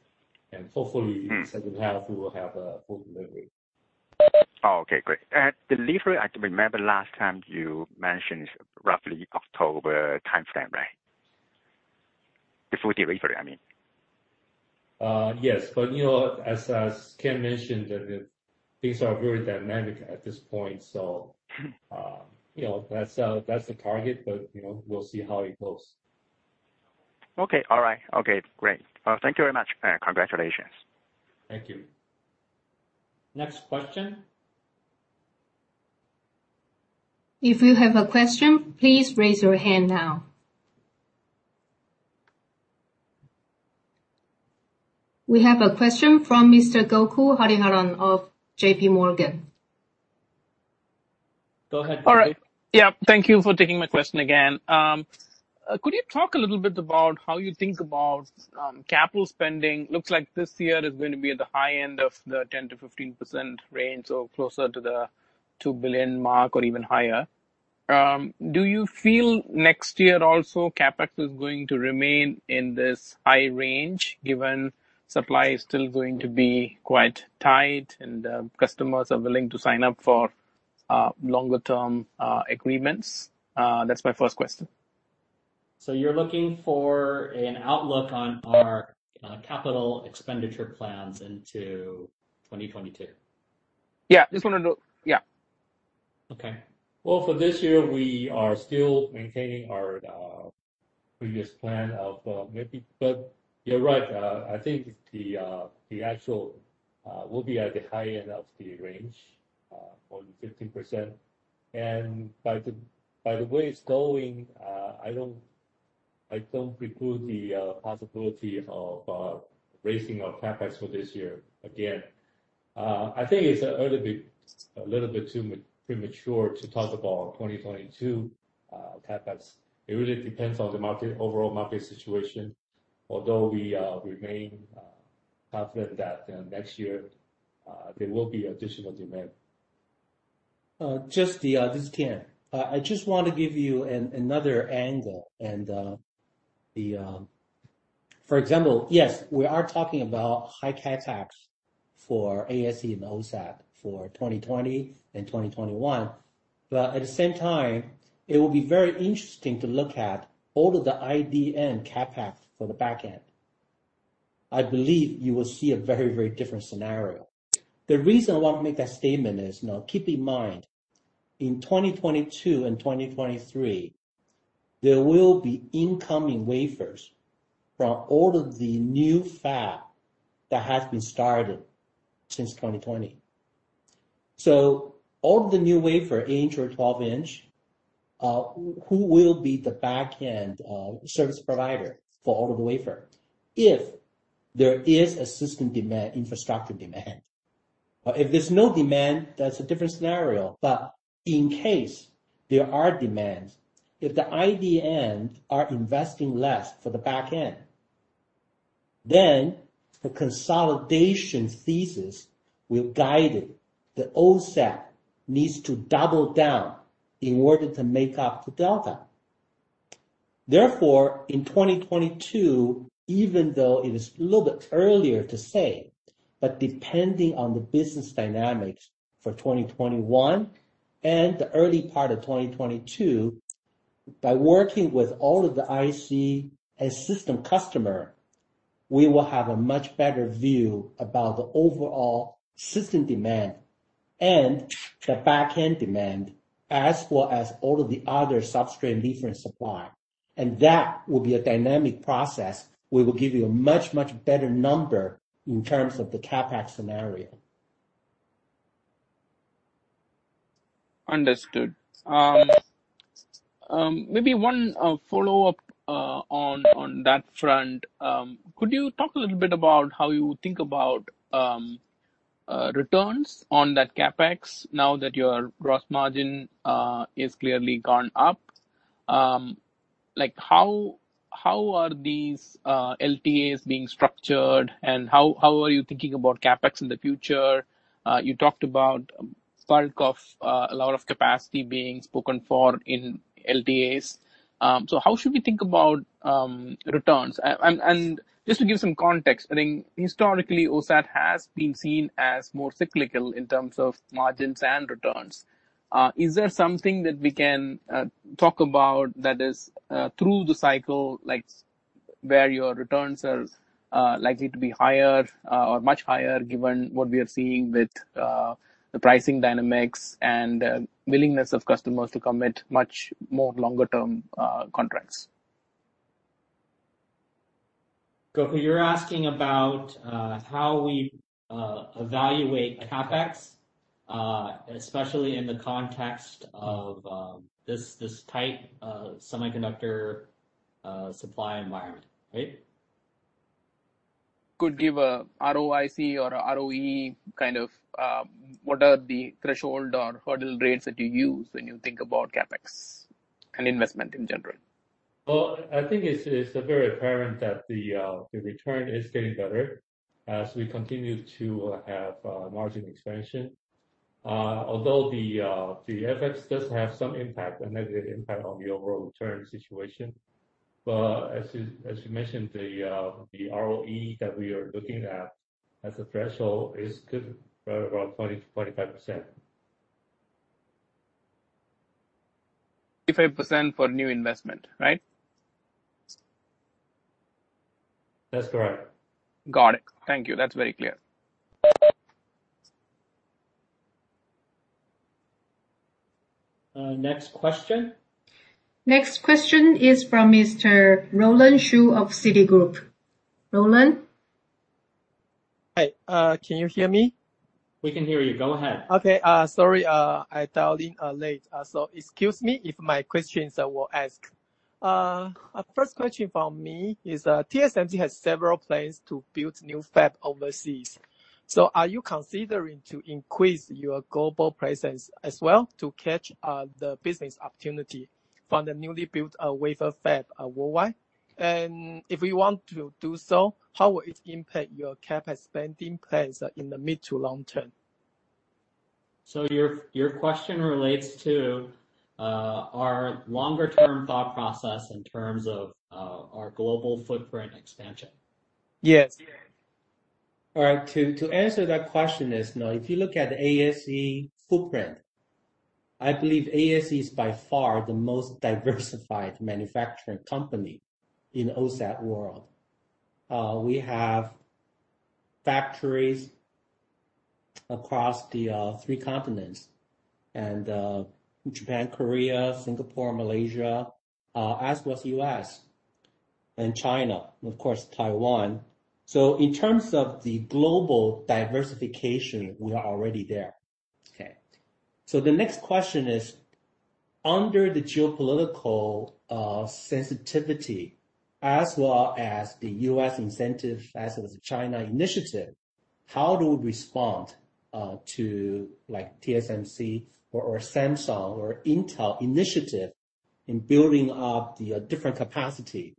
hopefully second half we will have a full delivery. Okay. Great. Delivery, I can remember last time you mentioned roughly October timeframe, right? The full delivery, I mean. Yes. As Ken mentioned, things are very dynamic at this point. That's the target, but we'll see how it goes. Okay. All right. Okay, great. Thank you very much. Congratulations. Thank you. Next question. If you have a question, please raise your hand now. We have a question from Mr. Gokul Hariharan of JPMorgan. Go ahead, Gokul. All right. Yeah. Thank you for taking my question again. Could you talk a little bit about how you think about capital spending? Looks like this year is going to be at the high end of the 10%-15% range, or closer to the 2 billion mark, or even higher. Do you feel next year also, CapEx is going to remain in this high range, given supply is still going to be quite tight and customers are willing to sign up for longer-term agreements? That's my first question. You're looking for an outlook on our capital expenditure plans into 2022? Yeah. Okay. Well, for this year we are still maintaining our previous plan of maybe. You're right, I think the actual will be at the high end of the range, more than 15%. By the way it's going, I don't preclude the possibility of raising our CapEx for this year again. I think it's a little bit premature to talk about 2022 CapEx. It really depends on the overall market situation, although we remain confident that next year there will be additional demand. Just the... This is Tien. I just want to give you another angle and for example, yes, we are talking about high CapEx for ASE and OSAT for 2020 and 2021. At the same time, it will be very interesting to look at all of the IDM and CapEx for the back end. I believe you will see a very different scenario. The reason I want to make that statement is, now, keep in mind, in 2022 and 2023, there will be incoming wafers from all of the new fab that has been started since 2020. All of the new wafer, inch or 12 in, who will be the back-end service provider for all of the wafer if there is a system demand, infrastructure demand? If there's no demand, that's a different scenario. In case there are demands, if the IDM end are investing less for the back end, then the consolidation thesis will guide it. The OSAT needs to double down in order to make up the delta. In 2022, even though it is a little bit earlier to say, but depending on the business dynamics for 2021 and the early part of 2022, by working with all of the IC and system customer, we will have a much better view about the overall system demand and the back-end demand as well as all of the other substrate different supply. That will be a dynamic process. We will give you a much better number in terms of the CapEx scenario. Understood. Maybe one follow-up on that front. Could you talk a little bit about how you think about returns on that CapEx now that your gross margin has clearly gone up? How are these LTAs being structured, and how are you thinking about CapEx in the future? You talked about bulk of a lot of capacity being spoken for in LTAs. How should we think about returns? Just to give some context, I think historically, OSAT has been seen as more cyclical in terms of margins and returns. Is there something that we can talk about that is through the cycle, where your returns are likely to be higher or much higher given what we are seeing with the pricing dynamics and willingness of customers to commit much more longer-term contracts? Gokul, you're asking about how we evaluate CapEx, especially in the context of this tight semiconductor supply environment, right? Could give a ROIC or a ROE, what are the threshold or hurdle rates that you use when you think about CapEx and investment in general? I think it's very apparent that the return is getting better as we continue to have margin expansion. Although the FX does have some impact, a negative impact on the overall return situation. As you mentioned, the ROE that we are looking at as a threshold is good, right around 20%-25%. 25% for new investment, right? That's correct. Got it. Thank you. That's very clear. Next question. Next question is from Mr. Roland Shu of Citigroup. Roland? Hi, can you hear me? We can hear you. Go ahead. Okay. Sorry, I dialed in late, so excuse me if my questions that I will ask. First question from me is, TSMC has several plans to build new fab overseas. Are you considering to increase your global presence as well to catch the business opportunity from the newly built wafer fab worldwide? If we want to do so, how will it impact your CapEx spending plans in the mid to long term? Your question relates to our longer-term thought process in terms of our global footprint expansion? Yes. All right. To answer that question is now, if you look at ASE footprint, I believe ASE is by far the most diversified manufacturing company in OSAT world. We have factories across the three continents and Japan, Korea, Singapore, Malaysia, as well as U.S. and China, and of course, Taiwan. In terms of the global diversification, we are already there. Okay. The next question is, under the geopolitical sensitivity, as well as the U.S. incentive as it was a China initiative, how do we respond to TSMC or Samsung or Intel initiative in building up the different capacity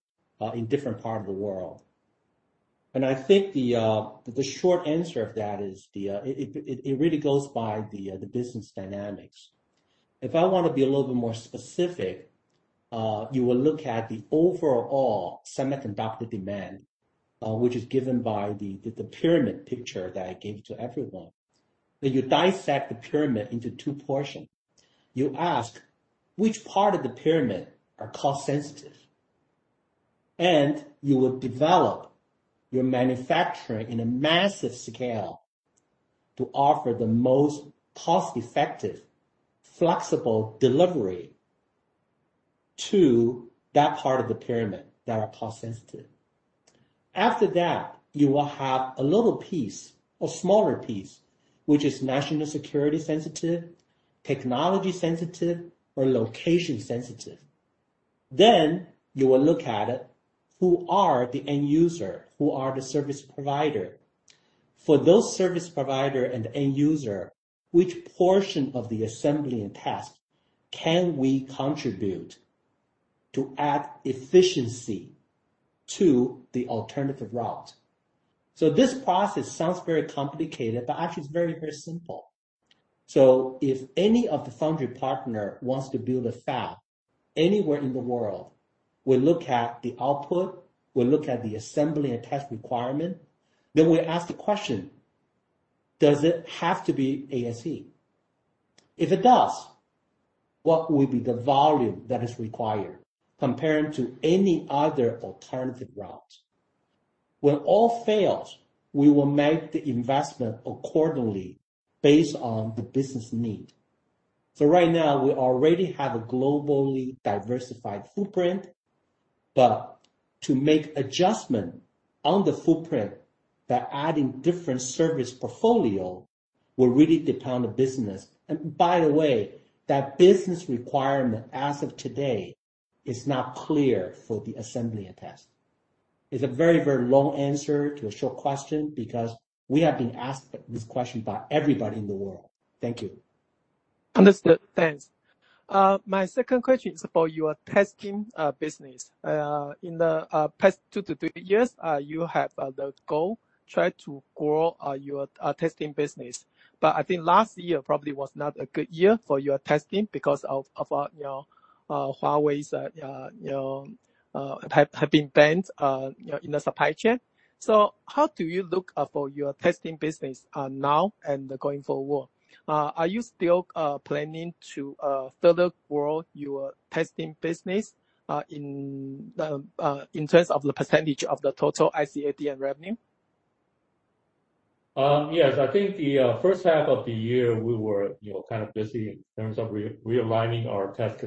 in different part of the world? I think the short answer of that is, it really goes by the business dynamics. If I want to be a little bit more specific, you will look at the overall semiconductor demand, which is given by the pyramid picture that I gave to everyone. You dissect the pyramid into two portions. You ask which part of the pyramid are cost sensitive, and you will develop your manufacturing in a massive scale to offer the most cost-effective, flexible delivery to that part of the pyramid that are cost sensitive. After that, you will have a little piece, a smaller piece, which is national security sensitive, technology sensitive, or location sensitive. You will look at it, who are the end user, who are the service provider? For those service provider and end user, which portion of the assembly and test can we contribute to add efficiency to the alternative route? This process sounds very complicated, but actually it's very, very simple. If any of the foundry partner wants to build a fab anywhere in the world, we look at the output, we look at the assembly and test requirement. We ask the question, does it have to be ASE? If it does, what will be the volume that is required compared to any other alternative routes? When all fails, we will make the investment accordingly based on the business need. Right now, we already have a globally diversified footprint. To make adjustment on the footprint by adding different service portfolio will really depend on business. By the way, that business requirement as of today is not clear for the assembly and test. It's a very, very long answer to a short question because we have been asked this question by everybody in the world. Thank you. Understood. Thanks. My second question is for your testing business. In the past two to three years, you have the goal try to grow your testing business. I think last year probably was not a good year for your testing because of Huawei's have been banned in the supply chain. How do you look for your testing business now and going forward? Are you still planning to further grow your testing business in terms of the percentage of the total IC ATM and revenue? Yes, I think the first half of the year, we were kind of busy in terms of realigning our test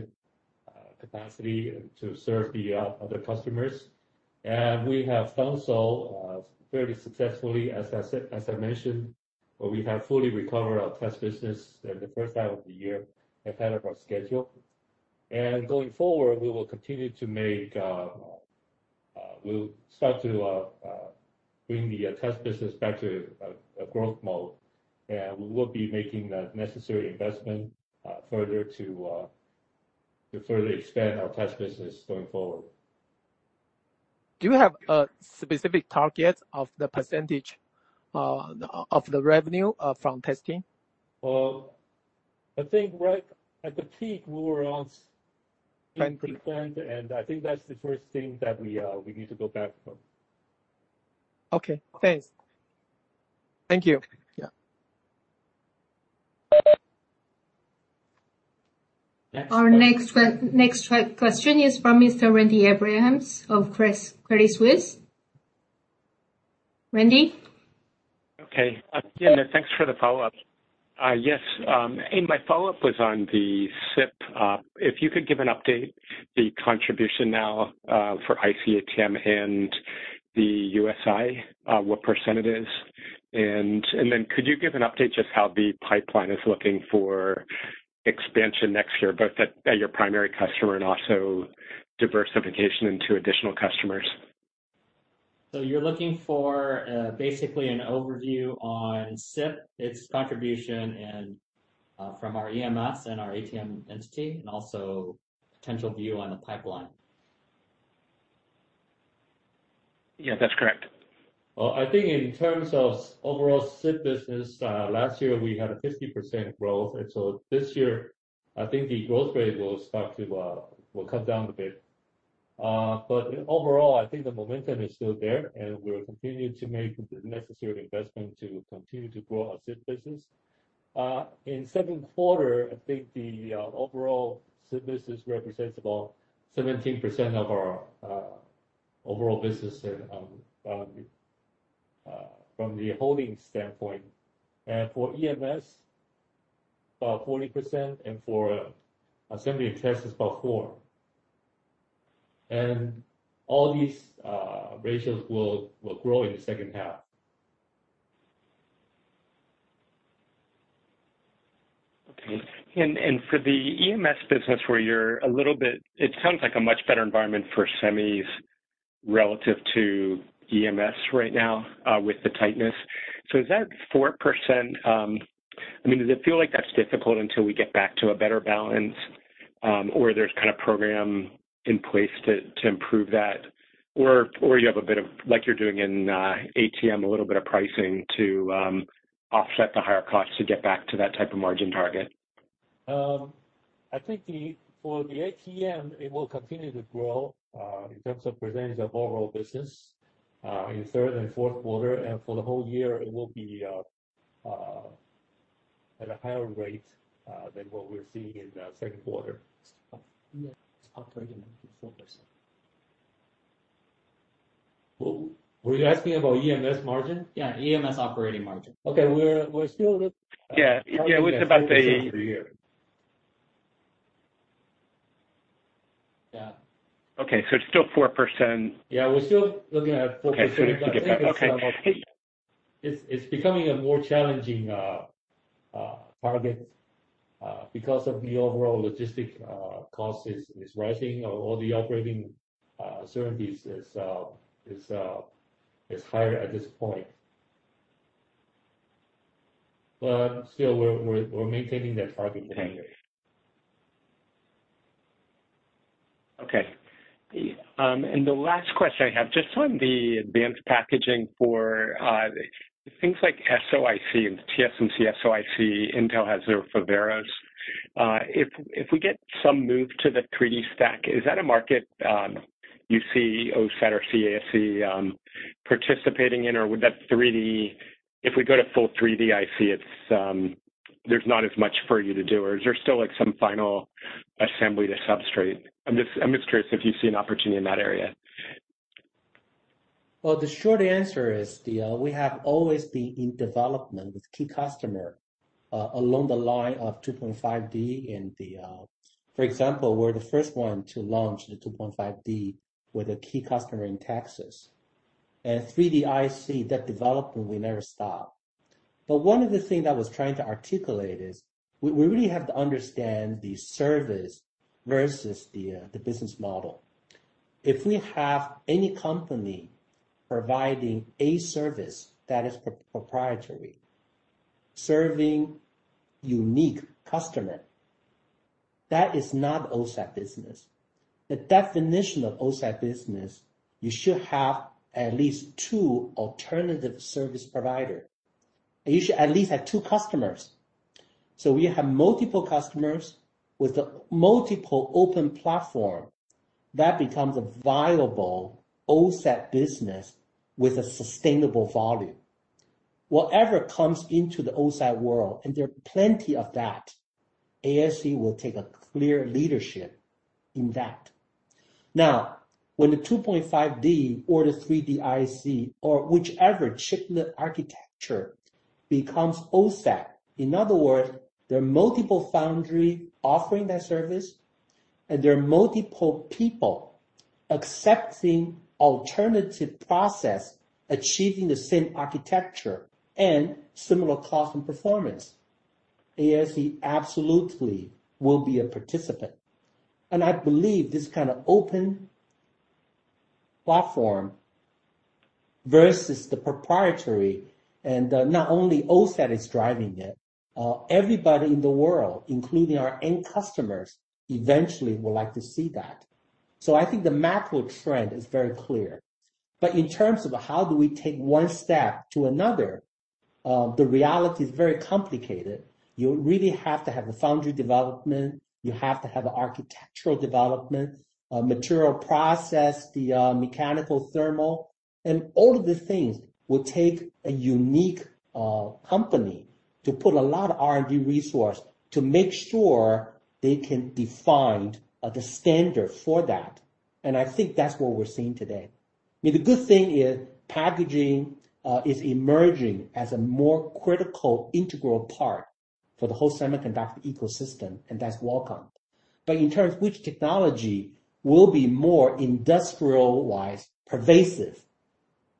capacity to serve the other customers. We have done so fairly successfully as I mentioned, where we have fully recovered our test business in the first half of the year ahead of our schedule. Going forward, we will start to bring the test business back to a growth mode, and we will be making the necessary investment to further expand our test business going forward. Do you have a specific target of the percentage of the revenue from testing? I think right at the peak, we were around 15%. I think that's the first thing that we need to go back from. Okay, thanks. Thank you. Yeah. Next question. Our next question is from Mr. Randy Abrams of Credit Suisse. Randy. Okay. Tien, thanks for the follow-up. My follow-up was on the SiP. If you could give an update, the contribution now for IC ATM and the USI, what percent it is? Could you give an update just how the pipeline is looking for expansion next year, both at your primary customer and also diversification into additional customers? You're looking for basically an overview on SiP, its contribution, and from our EMS and our ATM entity, and also potential view on the pipeline? Yeah, that's correct. I think in terms of overall SiP business, last year we had a 50% growth. This year, I think the growth rate will come down a bit. Overall, I think the momentum is still there, and we're continuing to make the necessary investment to continue to grow our SiP business. In second quarter, I think the overall SiP business represents about 17% of our overall business from the holding standpoint. For EMS, about 40%, and for assembly and test is about 4%. All these ratios will grow in the second half. Okay. For the EMS business, it sounds like a much better environment for semis relative to EMS right now, with the tightness. Is that 4%? Does it feel like that's difficult until we get back to a better balance, or there's kind of program in place to improve that? You have a bit of, like you're doing in ATM, a little bit of pricing to offset the higher costs to get back to that type of margin target? I think for the ATM, it will continue to grow, in terms of presenting the overall business, in third and fourth quarter. For the whole year, it will be at a higher rate than what we're seeing in the second quarter. EMS operating margin, 4%. Were you asking about EMS margin? Yeah, EMS operating margin. Okay. Yeah. It's about a- year. Yeah. Okay, it's still 4%. Yeah. We're still looking at 4%. Okay. To get back. Okay. It's becoming a more challenging target because of the overall logistic cost is rising or the operating uncertainties is higher at this point. Still, we're maintaining that target today. Okay. The last question I have, just on the advanced packaging for things like SOIC and TSMC, SOIC, Intel has their Foveros. If we get some move to the 3D stack, is that a market you see OSAT or ASE participating in, or if we go to full 3D IC, there's not as much for you to do, or is there still some final assembly to substrate? I'm just curious if you see an opportunity in that area. The short answer is we have always been in development with key customer along the line of 2.5D. For example, we're the first one to launch the 2.5D with a key customer in Texas. 3D IC, that development will never stop. One of the things I was trying to articulate is we really have to understand the service versus the business model. If we have any company providing a service that is proprietary, serving unique customer, that is not OSAT business. The definition of OSAT business, you should have at least two alternative service provider, and you should at least have two customers. We have multiple customers with multiple open platform. That becomes a viable OSAT business with a sustainable volume. Whatever comes into the OSAT world, and there are plenty of that, ASE will take a clear leadership in that. When the 2.5D or the 3D IC or whichever chiplet architecture becomes OSAT, in other words, there are multiple foundry offering that service, and there are multiple people accepting alternative process, achieving the same architecture and similar cost and performance, ASE absolutely will be a participant. I believe this kind of open platform versus the proprietary, not only OSAT is driving it, everybody in the world, including our end customers, eventually would like to see that. I think the macro trend is very clear. In terms of how do we take one step to another, the reality is very complicated. You really have to have a foundry development. You have to have architectural development, material process, the mechanical thermal, and all of the things will take a unique company to put a lot of R&D resource to make sure they can define the standard for that. I think that's what we're seeing today. I mean, the good thing is packaging is emerging as a more critical integral part for the whole semiconductor ecosystem, and that's welcome. In terms of which technology will be more industrial-wise pervasive,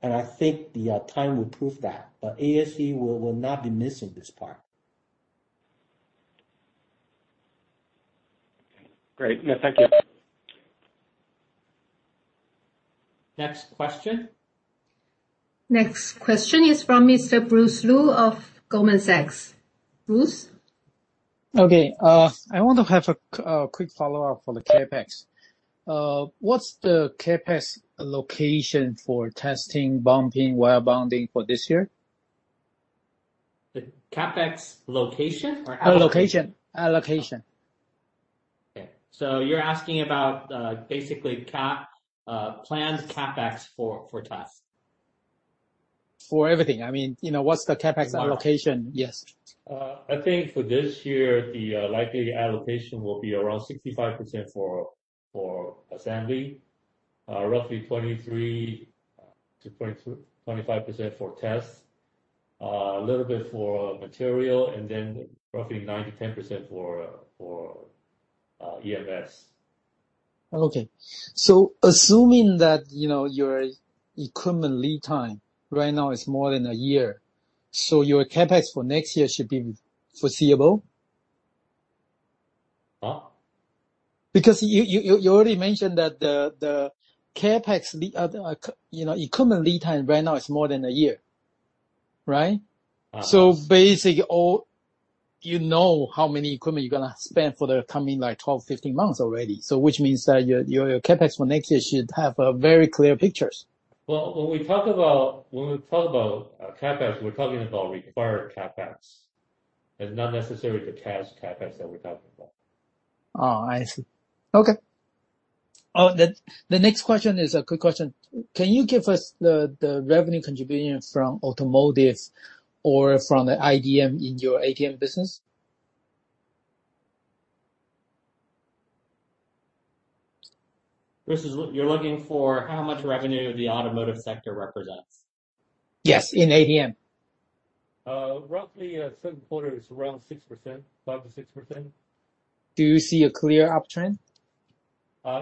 and I think the time will prove that, but ASE will not be missing this part. Great. No, thank you. Next question. Next question is from Mr. Bruce Lu of Goldman Sachs. Bruce. Okay. I want to have a quick follow-up for the CapEx. What's the CapEx allocation for testing, bumping, wire bonding for this year? The CapEx location or allocation? Allocation. Okay. You're asking about basically planned CapEx for test. For everything. What's the CapEx allocation? Yes. I think for this year, the likely allocation will be around 65% for assembly, roughly 23%-25% for test, a little bit for material, and then roughly 9%-10% for EMS. Okay. Assuming that your equipment lead time right now is more than a year, so your CapEx for next year should be foreseeable? Huh? You already mentioned that the equipment lead time right now is more than a year. Right? Basically, you know how many equipment you're going to spend for the coming 12, 15 months already. Which means that your CapEx for next year should have a very clear picture. Well, when we talk about CapEx, we're talking about required CapEx, it's not necessarily the cash CapEx that we're talking about. Oh, I see. Okay. The next question is a quick question. Can you give us the revenue contribution from automotive or from the IDM in your ATM business? Bruce, you're looking for how much revenue the automotive sector represents? Yes, in ATM. Roughly, second quarter is around 6%, 5%-6%. Do you see a clear uptrend?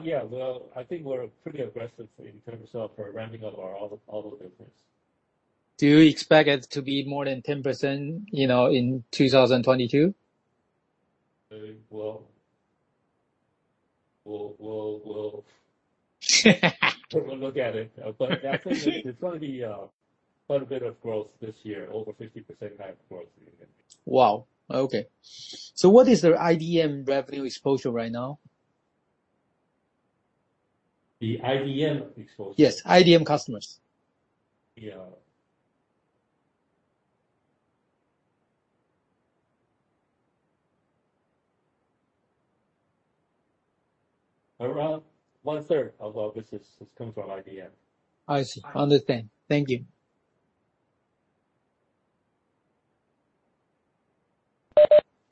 Yeah. Well, I think we're pretty aggressive in terms of ramping up our auto business. Do you expect it to be more than 10% in 2022? Well, we'll take a look at it. I think it's going to be quite a bit of growth this year, over 50% growth. Wow, okay. What is the IDM revenue exposure right now? The IDM exposure? Yes, IDM customers. Around 1/3 of our business comes from IDM. I see. Understand. Thank you.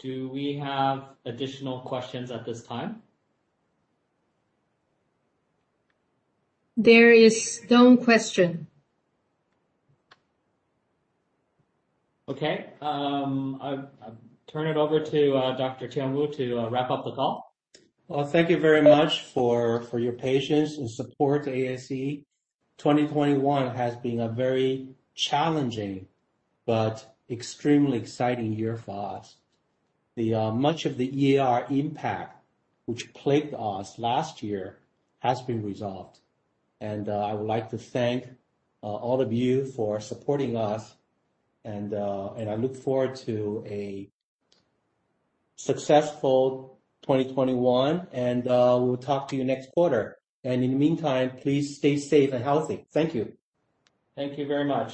Do we have additional questions at this time? There is no question. Okay. I'll turn it over to Dr. Tien Wu to wrap up the call. Well, thank you very much for your patience and support. ASE 2021 has been a very challenging but extremely exciting year for us. Much of the EAR impact, which plagued us last year, has been resolved. I would like to thank all of you for supporting us. I look forward to a successful 2021. We will talk to you next quarter. In the meantime, please stay safe and healthy. Thank you. Thank you very much.